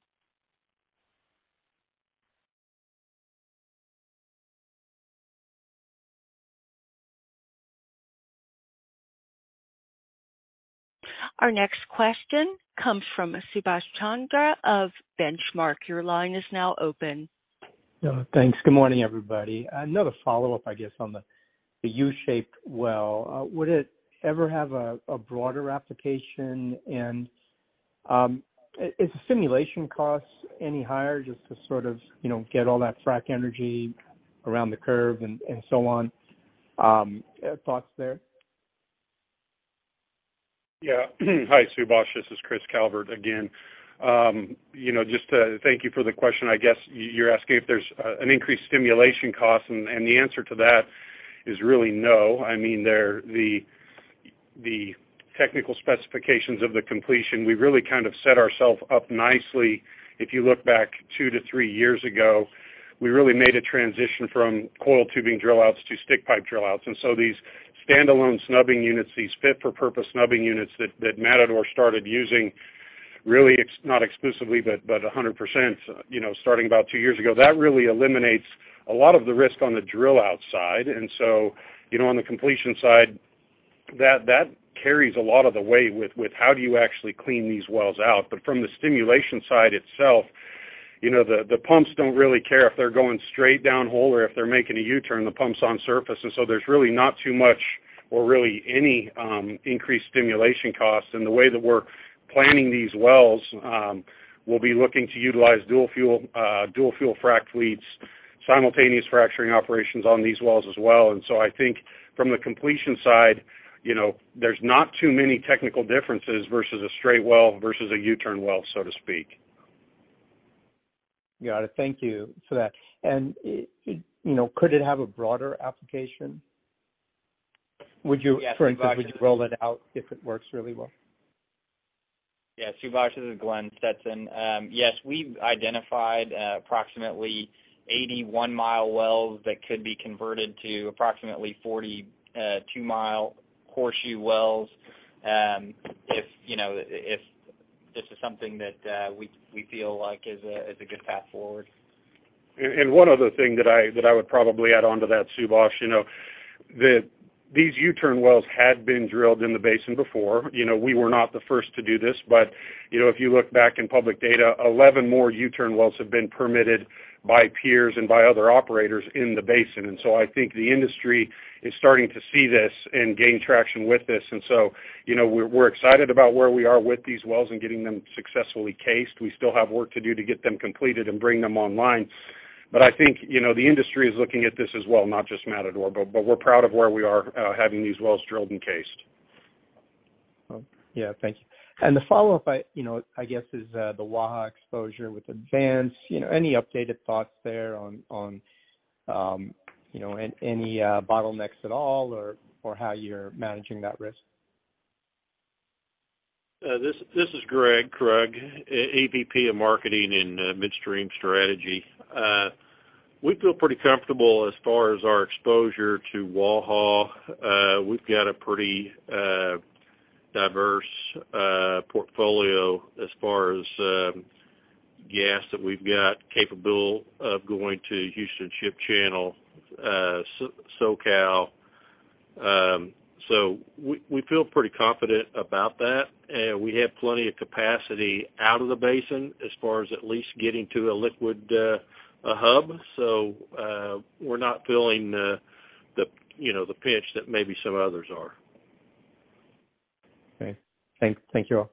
S1: Our next question comes from Subash Chandra of Benchmark. Your line is now open.
S14: Thanks. Good morning, everybody. Another follow-up, I guess, on the U-shaped well. Would it ever have a broader application? Is the simulation cost any higher just to sort of, you know, get all that frack energy around the curve and so on? Thoughts there?
S5: Hi, Subash. This is Chris Calvert again. You know, just thank you for the question. I guess you're asking if there's an increased stimulation cost, and the answer to that is really no. I mean, the technical specifications of the completion, we really kind of set ourself up nicely. If you look back two to three years ago, we really made a transition from coiled tubing drill outs to stick pipe drill outs. These standalone snubbing units, these fit for purpose snubbing units that Matador started using, really not exclusively, but 100%, you know, starting about two years ago, that really eliminates a lot of the risk on the drill out side. You know, on the completion side, that carries a lot of the weight with how do you actually clean these wells out. From the stimulation side itself, you know, the pumps don't really care if they're going straight down hole or if they're making a U-turn, the pump's on surface. There's really not too much or really any increased stimulation costs. The way that we're planning these wells, we'll be looking to utilize dual fuel, dual fuel frack fleets, simultaneous fracturing operations on these wells as well. I think from the completion side, you know, there's not too many technical differences versus a straight well versus a U-turn well, so to speak.
S14: Got it. Thank you for that. you know, could it have a broader application?
S8: Yeah. Subash-
S14: For instance, would you roll it out if it works really well?
S6: Subash, this is Glenn Stetson. Yes, we've identified approximately 81 mile wells that could be converted to approximately 40 two-mile horseshoe wells, if you know, if this is something that we feel like is a good path forward.
S3: One other thing that I would probably add onto that, Subash, you know, these U-turn wells had been drilled in the basin before. You know, we were not the first to do this, but, you know, if you look back in public data, 11 more U-turn wells have been permitted by peers and by other operators in the basin. I think the industry is starting to see this and gain traction with this. You know, we're excited about where we are with these wells and getting them successfully cased. We still have work to do to get them completed and bring them online. I think, you know, the industry is looking at this as well, not just Matador, but we're proud of where we are having these wells drilled and cased.
S14: Well, yeah, thank you. The follow-up I, you know, I guess is, the WAHA exposure with Advance. You know, any updated thoughts there on, you know, any bottlenecks at all or how you're managing that risk?
S15: This is Gregg Krug, EVP of Marketing and Midstream Strategy. We feel pretty comfortable as far as our exposure to WAHA. We've got a pretty diverse portfolio as far as gas that we've got capable of going to Houston Ship Channel, SoCal. We feel pretty confident about that. We have plenty of capacity out of the basin as far as at least getting to a liquid hub. We're not feeling the, you know, the pinch that maybe some others are.
S14: Okay. Thank you all.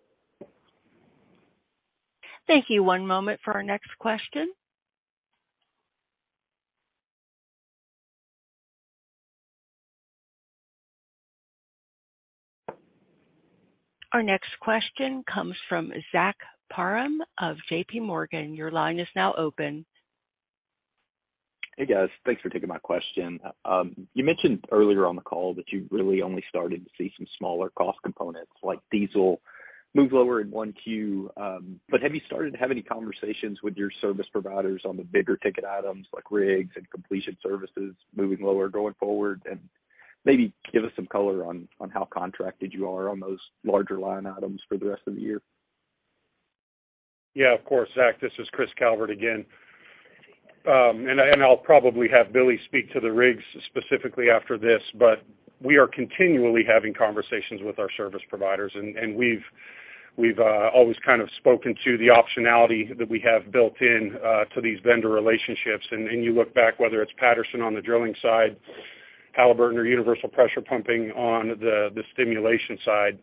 S1: Thank you. One moment for our next question. Our next question comes from Zach Parham of J.P. Morgan. Your line is now open.
S16: Hey, guys. Thanks for taking my question. You mentioned earlier on the call that you really only started to see some smaller cost components like diesel move lower in 1Q. Have you started to have any conversations with your service providers on the bigger ticket items like rigs and completion services moving lower going forward? Maybe give us some color on how contracted you are on those larger line items for the rest of the year.
S5: Yeah, of course. Zach, this is Chris Calvert again. I'll probably have Billy speak to the rigs specifically after this, but we are continually having conversations with our service providers. We've always kind of spoken to the optionality that we have built in to these vendor relationships. You look back, whether it's Patterson-UTI on the drilling side, Halliburton or Universal Pressure Pumping on the stimulation side,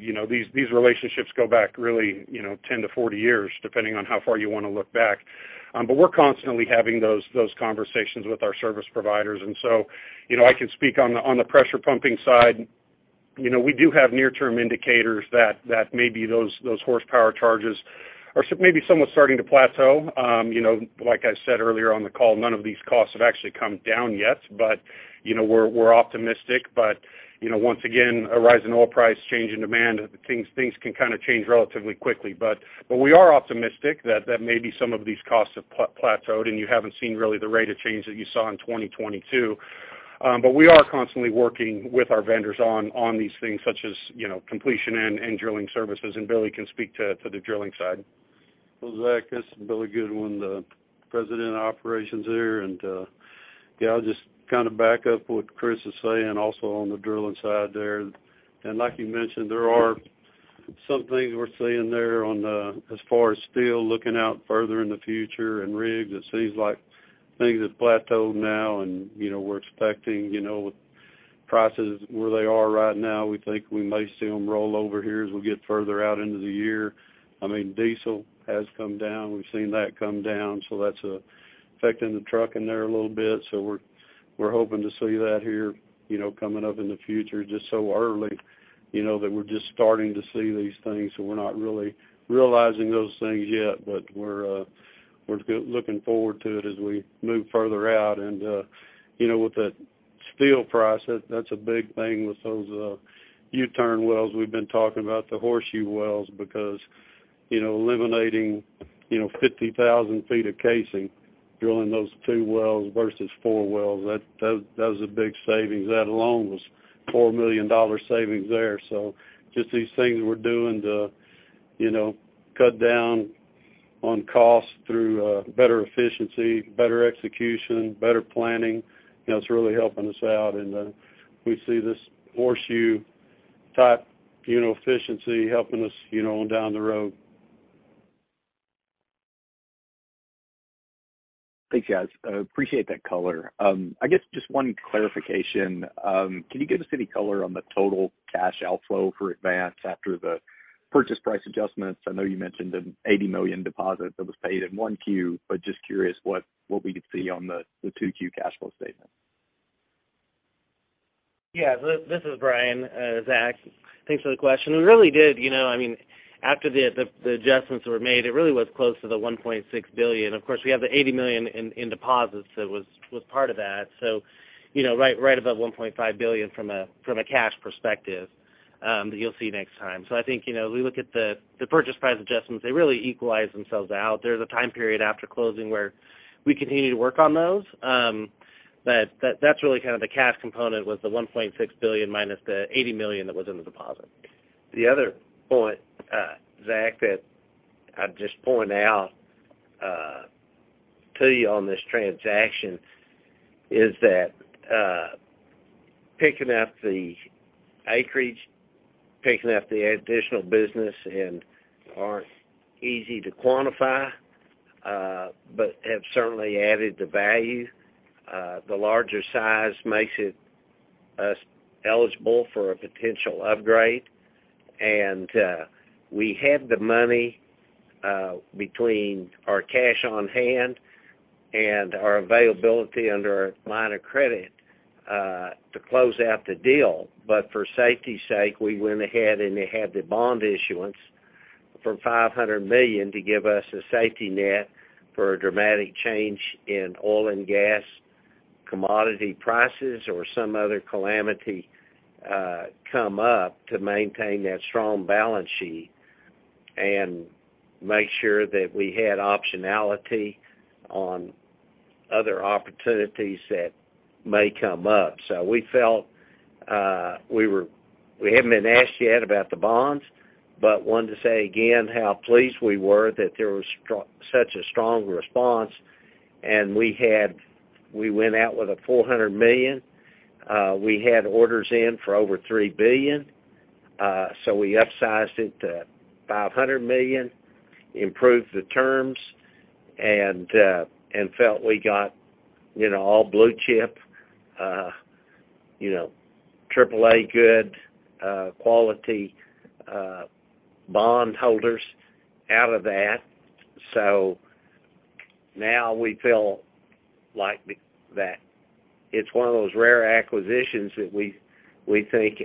S5: you know, these relationships go back really, you know, 10 to 40 years, depending on how far you wanna look back. We're constantly having those conversations with our service providers. You know, I can speak on the pressure pumping side. You know, we do have near-term indicators that maybe those horsepower charges are maybe somewhat starting to plateau. you know, like I said earlier on the call, none of these costs have actually come down yet, but, you know, we're optimistic. You know, once again, a rise in oil price, change in demand, things can kinda change relatively quickly. We are optimistic that maybe some of these costs have plateaued, and you haven't seen really the rate of change that you saw in 2022. We are constantly working with our vendors on these things such as, you know, completion and drilling services, and Billy can speak to the drilling side.
S17: Well, Zach, this is Billy Goodwin, President of Operations here. Yeah, I'll just kind of back up what Chris is saying also on the drilling side there. Like you mentioned, there are some things we're seeing there on as far as steel looking out further in the future and rigs. It seems like things have plateaued now and, you know, we're expecting, you know, with prices where they are right now, we think we may see them roll over here as we get further out into the year. I mean, diesel has come down. We've seen that come down, so that's affecting the truck in there a little bit. We're hoping to see that here, you know, coming up in the future just so early, you know, that we're just starting to see these things. We're not really realizing those things yet, but we're looking forward to it as we move further out. You know, with the steel price, that's a big thing with those U-turn wells we've been talking about, the horseshoe wells, because, you know, eliminating, you know, 50,000 feet of casing, drilling those two wells versus two wells, that was a big savings. That alone was $4 million savings there. Just these things we're doing to, you know, cut down on costs through better efficiency, better execution, better planning, you know, it's really helping us out. We see this horseshoe type, you know, efficiency helping us, you know, on down the road.
S16: Thanks, guys. I appreciate that color. I guess just one clarification. Can you give us any color on the total cash outflow for Advance after the purchase price adjustments? I know you mentioned an $80 million deposit that was paid in 1Q, but just curious what we could see on the 2Q cash flow statement.
S8: Yeah. This is Brian, Zach. Thanks for the question. We really did, you know, I mean, after the adjustments were made, it really was close to the $1.6 billion. Of course, we have the $80 million in deposits that was part of that. You know, right above $1.5 billion from a cash perspective that you'll see next time. I think, you know, we look at the purchase price adjustments, they really equalize themselves out. There's a time period after closing where we continue to work on those. That's really kind of the cash component was the $1.6 billion minus the $80 million that was in the deposit.
S3: The other point, Zach, that I'd just point out to you on this transaction is that picking up the acreage, picking up the additional business and aren't easy to quantify, but have certainly added the value. The larger size makes it us eligible for a potential upgrade. We had the money between our cash on hand and our availability under our line of credit to close out the deal. For safety's sake, we went ahead and had the bond issuance for $500 million to give us a safety net for a dramatic change in oil and gas commodity prices or some other calamity come up to maintain that strong balance sheet and make sure that we had optionality on other opportunities that may come up. We felt we haven't been asked yet about the bonds, but wanted to say again how pleased we were that there was such a strong response. We went out with a $400 million. We had orders in for over $3 billion, so we upsized it to $500 million, improved the terms, and felt we got all blue chip, AAA good quality bond holders out of that. Now we feel like that it's one of those rare acquisitions that we think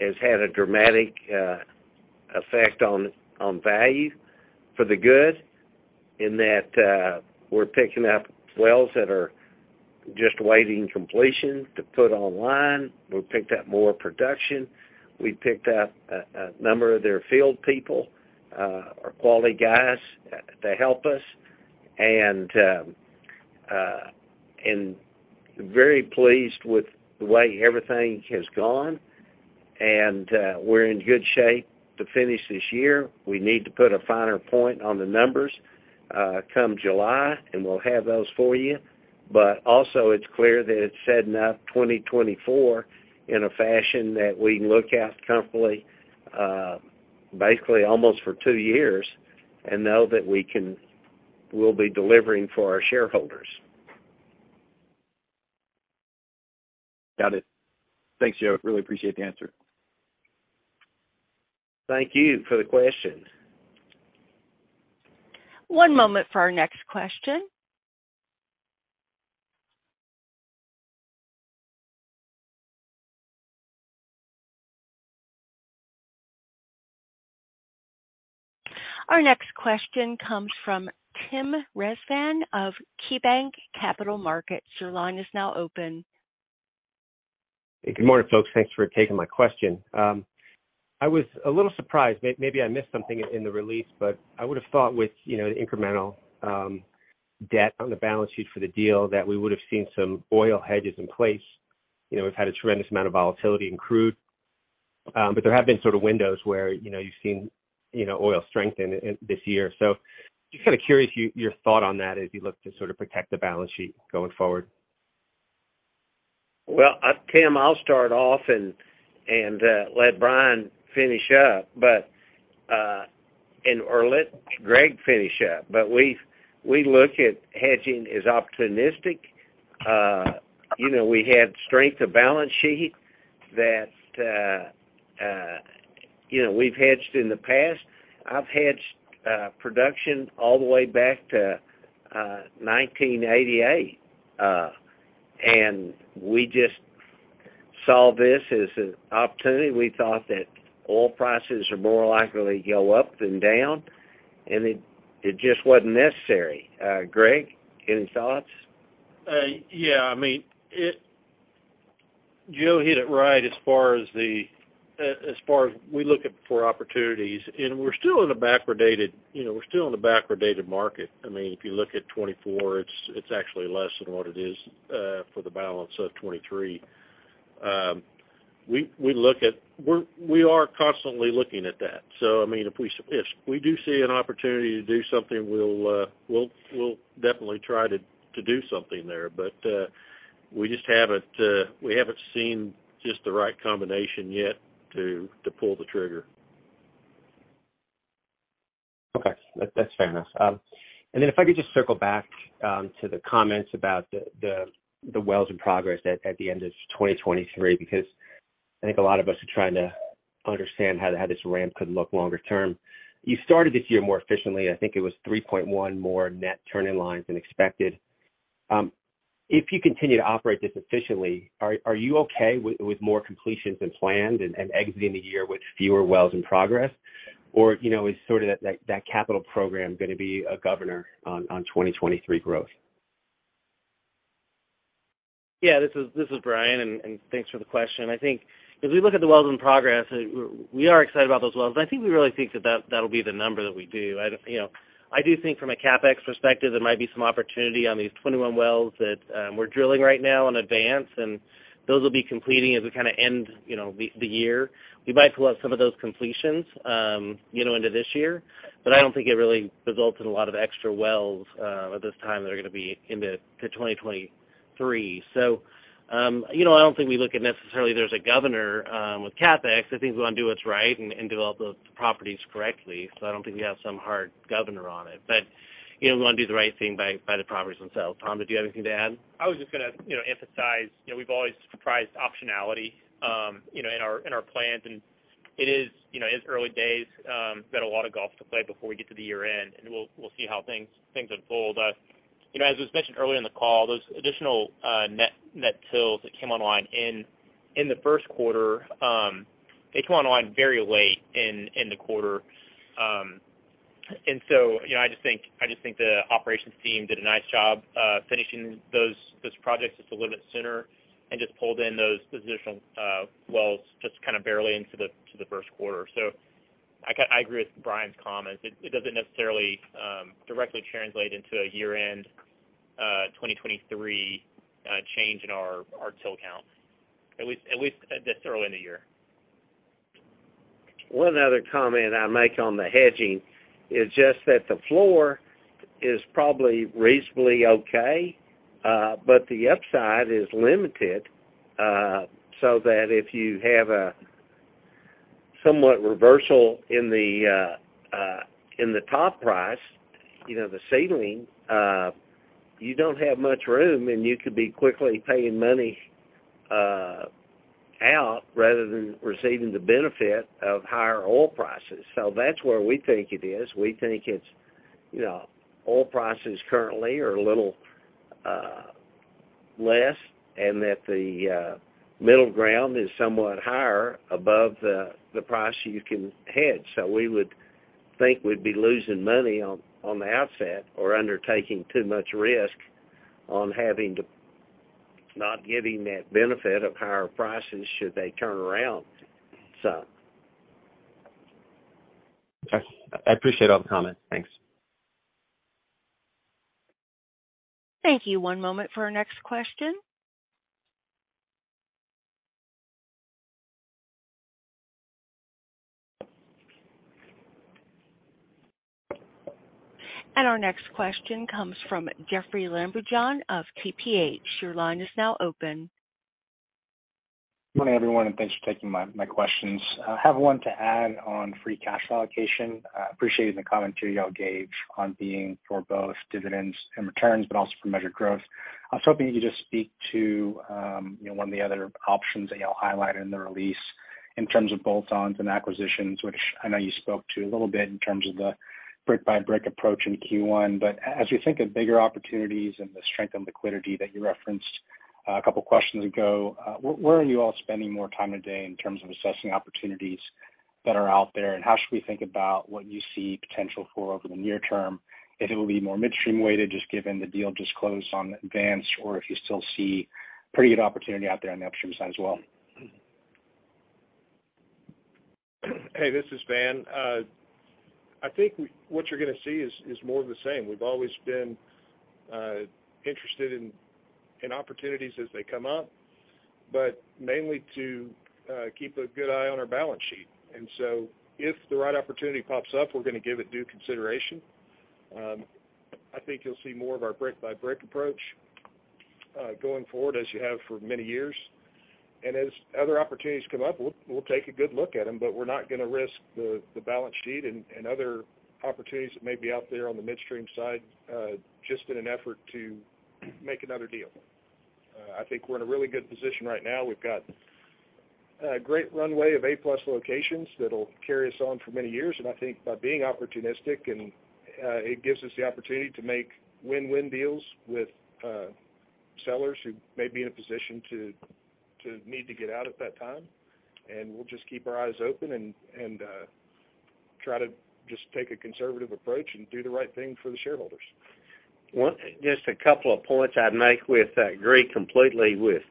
S3: has had a dramatic effect on value for the good. In that, we're picking up wells that are just waiting completion to put online. We've picked up more production. We picked up a number of their field people, our quality guys to help us, and very pleased with the way everything has gone. We're in good shape to finish this year. We need to put a finer point on the numbers, come July, and we'll have those for you. Also it's clear that it's setting up 2024 in a fashion that we look at comfortably, basically almost for two years and know that we'll be delivering for our shareholders.
S16: Got it. Thanks, Joe. Really appreciate the answer.
S3: Thank you for the question.
S1: One moment for our next question. Our next question comes from Tim Rezvan of KeyBanc Capital Markets. Your line is now open.
S18: Good morning, folks. Thanks for taking my question. I was a little surprised, maybe I missed something in the release, but I would have thought with, you know, incremental debt on the balance sheet for the deal that we would have seen some oil hedges in place. You know, we've had a tremendous amount of volatility in crude, but there have been sort of windows where, you know, you've seen, you know, oil strengthen this year. Just kind of curious your thought on that as you look to sort of protect the balance sheet going forward.
S3: Well, Tim, I'll start off and let Brian finish up, or let Greg finish up. We look at hedging as opportunistic. You know, we had strength of balance sheet that, you know, we've hedged in the past. I've hedged production all the way back to 1988. We just saw this as an opportunity. We thought that oil prices are more likely to go up than down, and it just wasn't necessary. Greg, any thoughts?
S15: Yeah. I mean, Joe hit it right as far as the, as far as we look at for opportunities, and we're still in a backwardated, you know, we're still in a backwardated market. I mean, if you look at 2024, it's actually less than what it is for the balance of 2023. We are constantly looking at that. I mean, if we do see an opportunity to do something, we'll definitely try to do something there. We just haven't seen just the right combination yet to pull the trigger.
S18: Okay. That's fair enough. If I could just circle back to the comments about the wells in progress at the end of 2023, because I think a lot of us are trying to understand how this ramp could look longer term. You started this year more efficiently. I think it was 3.1 more net turn in lines than expected. If you continue to operate this efficiently, are you okay with more completions than planned and exiting the year with fewer wells in progress? Or, you know, is sort of that capital program going to be a governor on 2023 growth?
S8: This is Brian, thanks for the question. I think if we look at the wells in progress, we are excited about those wells. I think we really think that'll be the number that we do. You know, I do think from a CapEx perspective, there might be some opportunity on these 21 wells that we're drilling right now in advance, those will be completing as we kind of end, you know, the year. We might pull up some of those completions, you know, into this year, I don't think it really results in a lot of extra wells at this time that are going to be into 2023. You know, I don't think we look at necessarily there's a governor with CapEx. I think we want to do what's right and develop those properties correctly. I don't think we have some hard governor on it. You know, we want to do the right thing by the properties themselves. Tom, did you have anything to add?
S9: I was just gonna, you know, emphasize, you know, we've always priced optionality, you know, in our, in our plans, and it is, you know, it's early days. Got a lot of golf to play before we get to the year-end, and we'll see how things unfold. You know, as was mentioned earlier in the call, those additional net TILs that came online in the first quarter, they come online very late in the quarter. You know, I just think the operations team did a nice job finishing those projects just a little bit sooner and just pulled in those positional wells just kind of barely into the first quarter. I agree with Brian's comments. It doesn't necessarily directly translate into a year-end 2023 change in our TIL count, at least this early in the year.
S3: One other comment I make on the hedging is just that the floor is probably reasonably okay, but the upside is limited, so that if you have a somewhat reversal in the top price, you know, the ceiling, you don't have much room, and you could be quickly paying money out rather than receiving the benefit of higher oil prices. That's where we think it is. We think it's, you know, oil prices currently are a little less, and that the middle ground is somewhat higher above the price you can hedge. We would think we'd be losing money on the outset or undertaking too much risk on having to not getting that benefit of higher prices should they turn around.
S18: Okay. I appreciate all the comments. Thanks.
S1: Thank you. One moment for our next question. Our next question comes from Jeoffrey Lambujon of TPH. Your line is now open.
S19: Good morning, everyone, and thanks for taking my questions. I have one to add on free cash allocation. I appreciated the commentary you all gave on being for both dividends and returns, but also for measured growth. I was hoping you could just speak to, you know, one of the other options that y'all highlighted in the release in terms of bolt-ons and acquisitions, which I know you spoke to a little bit in terms of the brick by brick approach in Q1. As you think of bigger opportunities and the strength and liquidity that you referenced a couple questions ago, where are you all spending more time today in terms of assessing opportunities that are out there? How should we think about what you see potential for over the near term, if it will be more midstream-weighted, just given the deal just closed on Advance, or if you still see pretty good opportunity out there on the upstream side as well?
S13: Hey, this is Van. I think what you're gonna see is more of the same. We've always been interested in opportunities as they come up, but mainly to keep a good eye on our balance sheet. If the right opportunity pops up, we're gonna give it due consideration. I think you'll see more of our brick by brick approach going forward as you have for many years. As other opportunities come up, we'll take a good look at them, but we're not gonna risk the balance sheet and other opportunities that may be out there on the midstream side just in an effort to make another deal. I think we're in a really good position right now. We've got a great runway of A-plus locations that'll carry us on for many years. I think by being opportunistic and it gives us the opportunity to make win-win deals with sellers who may be in a position to need to get out at that time. We'll just keep our eyes open and, try to just take a conservative approach and do the right thing for the shareholders.
S3: Just a couple of points I'd make with, I agree completely with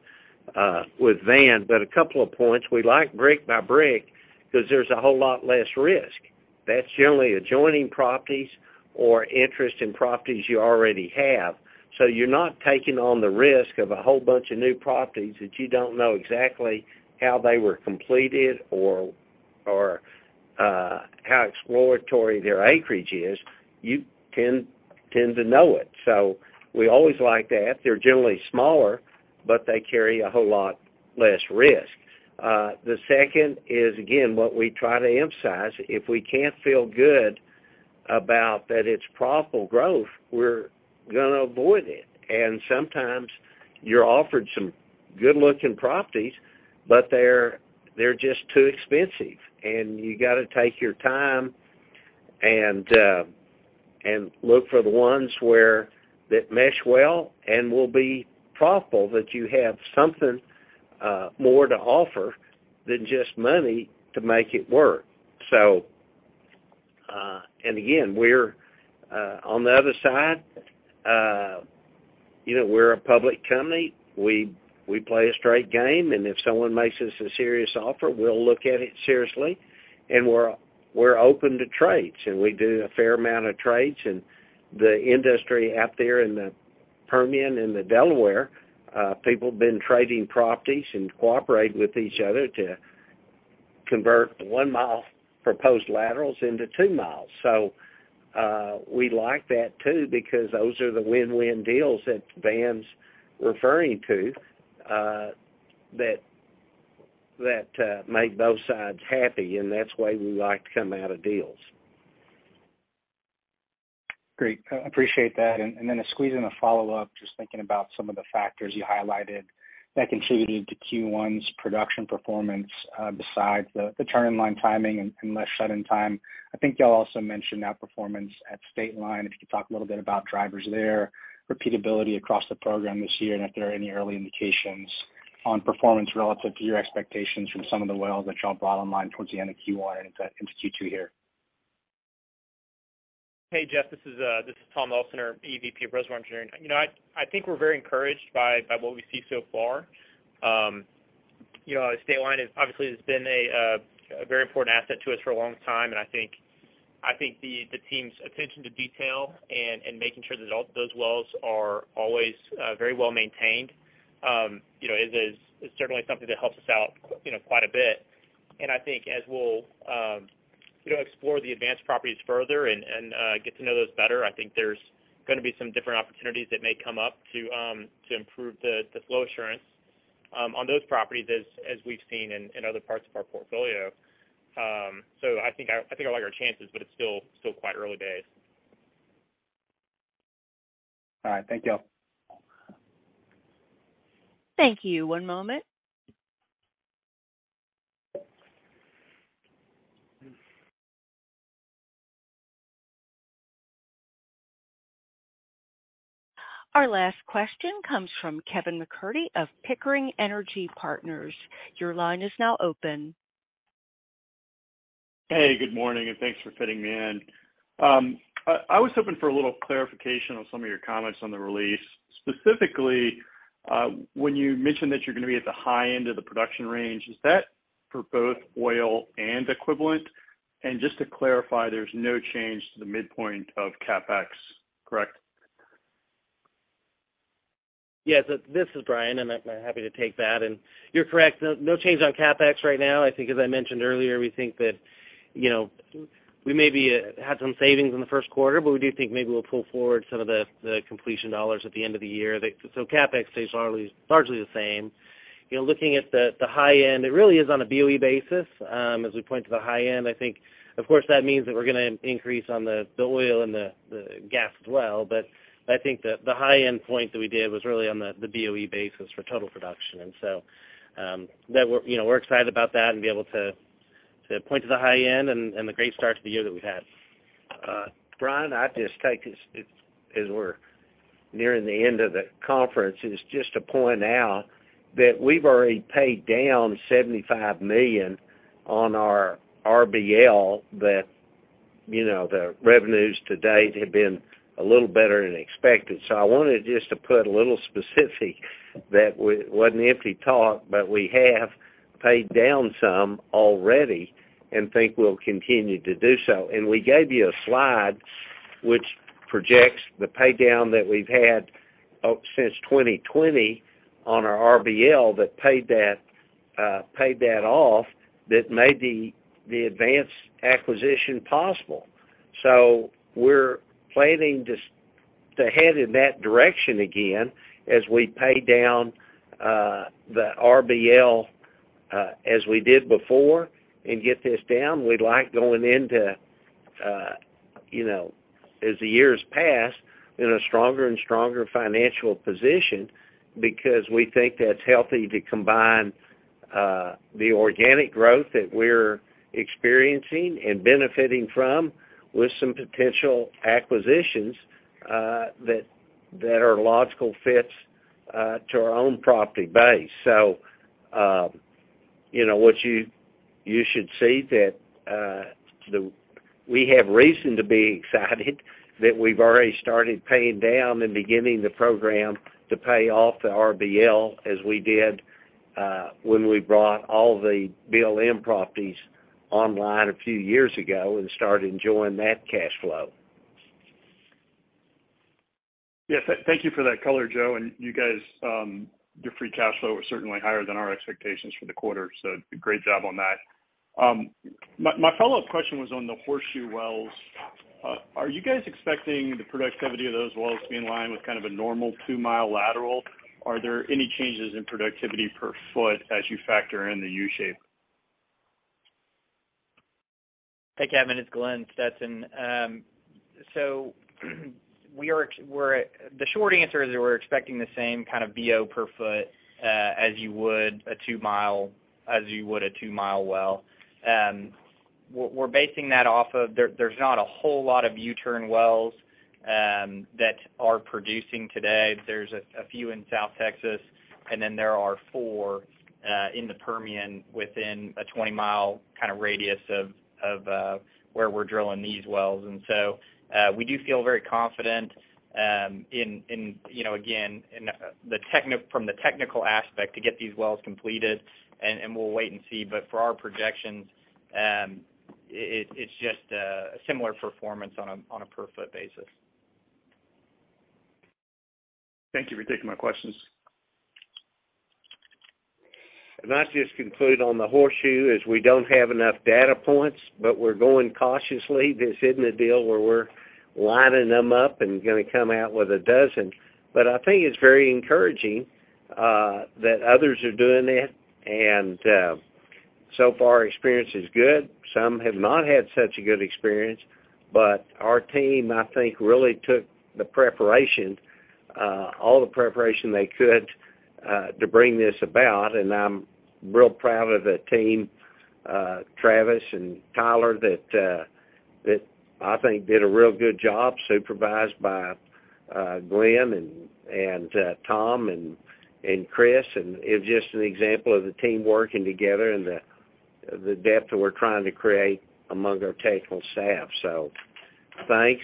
S3: Van, but a couple of points. We like brick by brick 'cause there's a whole lot less risk. That's generally adjoining properties or interest in properties you already have. You're not taking on the risk of a whole bunch of new properties that you don't know exactly how they were completed or how exploratory their acreage is. You tend to know it. We always like that. They're generally smaller, but they carry a whole lot less risk. The second is, again, what we try to emphasize. If we can't feel good about that it's profitable growth, we're gonna avoid it. Sometimes you're offered some good-looking properties, but they're just too expensive. You got to take your time and look for the ones where that mesh well and will be profitable, that you have something more to offer than just money to make it work. Again, we're on the other side, you know, we're a public company. We play a straight game, and if someone makes us a serious offer, we'll look at it seriously. We're open to trades, and we do a fair amount of trades. The industry out there in the Permian and the Delaware, people have been trading properties and cooperating with each other to convert one-mile proposed laterals into two miles. We like that too because those are the win-win deals that Van's referring to, that make both sides happy. That's the way we like to come out of deals.
S19: Great. I appreciate that. Then to squeeze in a follow-up, just thinking about some of the factors you highlighted that contributed to Q1's production performance, besides the turn in line timing and less shut in time. I think y'all also mentioned outperformance at State Line. If you could talk a little bit about drivers there, repeatability across the program this year, and if there are any early indications on performance relative to your expectations from some of the wells that y'all brought online towards the end of Q1 and into Q2 here.
S9: Hey, Jeff, this is Tom Oelsner, EVP of Reservoir Engineering. You know, I think we're very encouraged by what we see so far. You know, State Line is obviously has been a very important asset to us for a long time. I think the team's attention to detail and making sure that all those wells are always very well maintained, you know, is certainly something that helps us out, you know, quite a bit. I think as we'll, you know, explore the advanced properties further and get to know those better, I think there's gonna be some different opportunities that may come up to improve the flow assurance on those properties as we've seen in other parts of our portfolio. I think I like our chances, but it's still quite early days.
S19: All right. Thank y'all.
S1: Thank you. One moment. Our last question comes from Kevin MacCurdy of Pickering Energy Partners. Your line is now open.
S20: Hey, good morning, and thanks for fitting me in. I was hoping for a little clarification on some of your comments on the release. Specifically, when you mentioned that you're gonna be at the high end of the production range, is that for both oil and equivalent? Just to clarify, there's no change to the midpoint of CapEx, correct?
S8: Yes, this is Brian. I'm happy to take that. You're correct, no change on CapEx right now. I think as I mentioned earlier, we think that, you know, we maybe had some savings in the first quarter, we do think maybe we'll pull forward some of the completion dollars at the end of the year. CapEx stays largely the same. You know, looking at the high end, it really is on a BOE basis. As we point to the high end, I think, of course, that means that we're gonna increase on the oil and the gas as well. I think that the high-end point that we did was really on the BOE basis for total production. That we're, you know, we're excited about that and be able to point to the high end and the great start to the year that we've had.
S3: Brian, I just take this as we're nearing the end of the conference, is just to point out that we've already paid down $75 million on our RBL, that, you know, the revenues to date have been a little better than expected. I wanted just to put a little specific that wasn't empty talk, but we have paid down some already and think we'll continue to do so. We gave you a slide which projects the pay down that we've had since 2020 on our RBL that paid that off that made the Advance acquisition possible. We're planning to head in that direction again as we pay down the RBL as we did before and get this down. We like going into, you know, as the years pass, in a stronger and stronger financial position because we think that's healthy to combine the organic growth that we're experiencing and benefiting from with some potential acquisitions that are logical fits to our own property base. You know, what you should see that we have reason to be excited that we've already started paying down and beginning the program to pay off the RBL as we did when we brought all the BLM properties online a few years ago and started enjoying that cash flow.
S20: Yes, thank you for that color, Joe. You guys, your free cash flow was certainly higher than our expectations for the quarter, great job on that. My follow-up question was on the horseshoe wells. Are you guys expecting the productivity of those wells to be in line with kind of a normal 2-mile lateral? Are there any changes in productivity per foot as you factor in the U-shape?
S6: Hey, Kevin, it's Glenn Stetson. The short answer is we're expecting the same kind of BO per foot as you would a two-mile well. We're basing that off of there's not a whole lot of U-turn wells that are producing today. There's a few in South Texas, and then there are four in the Permian within a 20-mile kind of radius of where we're drilling these wells. We do feel very confident, you know, again, from the technical aspect to get these wells completed, and we'll wait and see. For our projections, it's just a similar performance on a per foot basis.
S20: Thank you for taking my questions.
S3: I just conclude on the horseshoe is we don't have enough data points, but we're going cautiously. This isn't a deal where we're lining them up and gonna come out with 12. I think it's very encouraging that others are doing it, and so far experience is good. Some have not had such a good experience, but our team, I think, really took the preparation, all the preparation they could, to bring this about, and I'm real proud of the team, Travis and Tyler that I think did a real good job, supervised by Glenn, Tom and Chris. It was just an example of the team working together and the depth that we're trying to create among our technical staff. Thanks.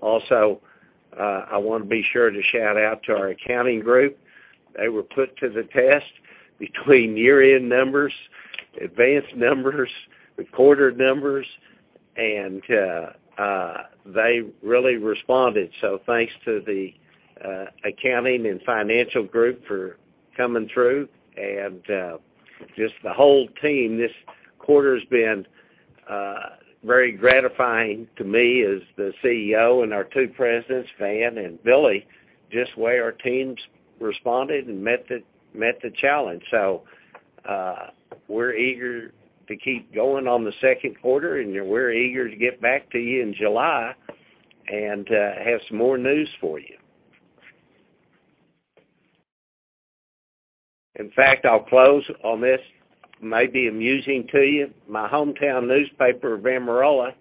S3: Also, I wanna be sure to shout out to our accounting group. They were put to the test between year-end numbers, Advance numbers, recorded numbers, they really responded. Thanks to the accounting and financial group for coming through. Just the whole team, this quarter's been very gratifying to me as the CEO and our two presidents, Van and Billy, just the way our teams responded and met the challenge. We're eager to keep going on the second quarter, and we're eager to get back to you in July and have some more news for you. In fact, I'll close on this, may be amusing to you. My hometown newspaper of Amarillo,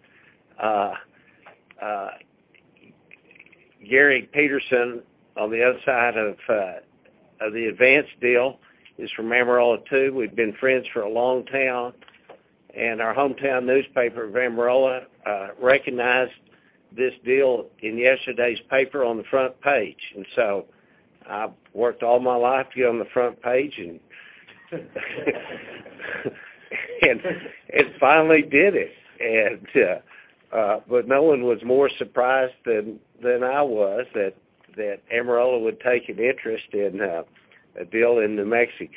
S3: Gary Peterson, on the other side of the Advance deal, is from Amarillo, too. We've been friends for a long time, and our hometown newspaper of Amarillo recognized this deal in yesterday's paper on the front page. I've worked all my life to get on the front page and finally did it. No one was more surprised than I was that Amarillo would take an interest in a deal in New Mexico.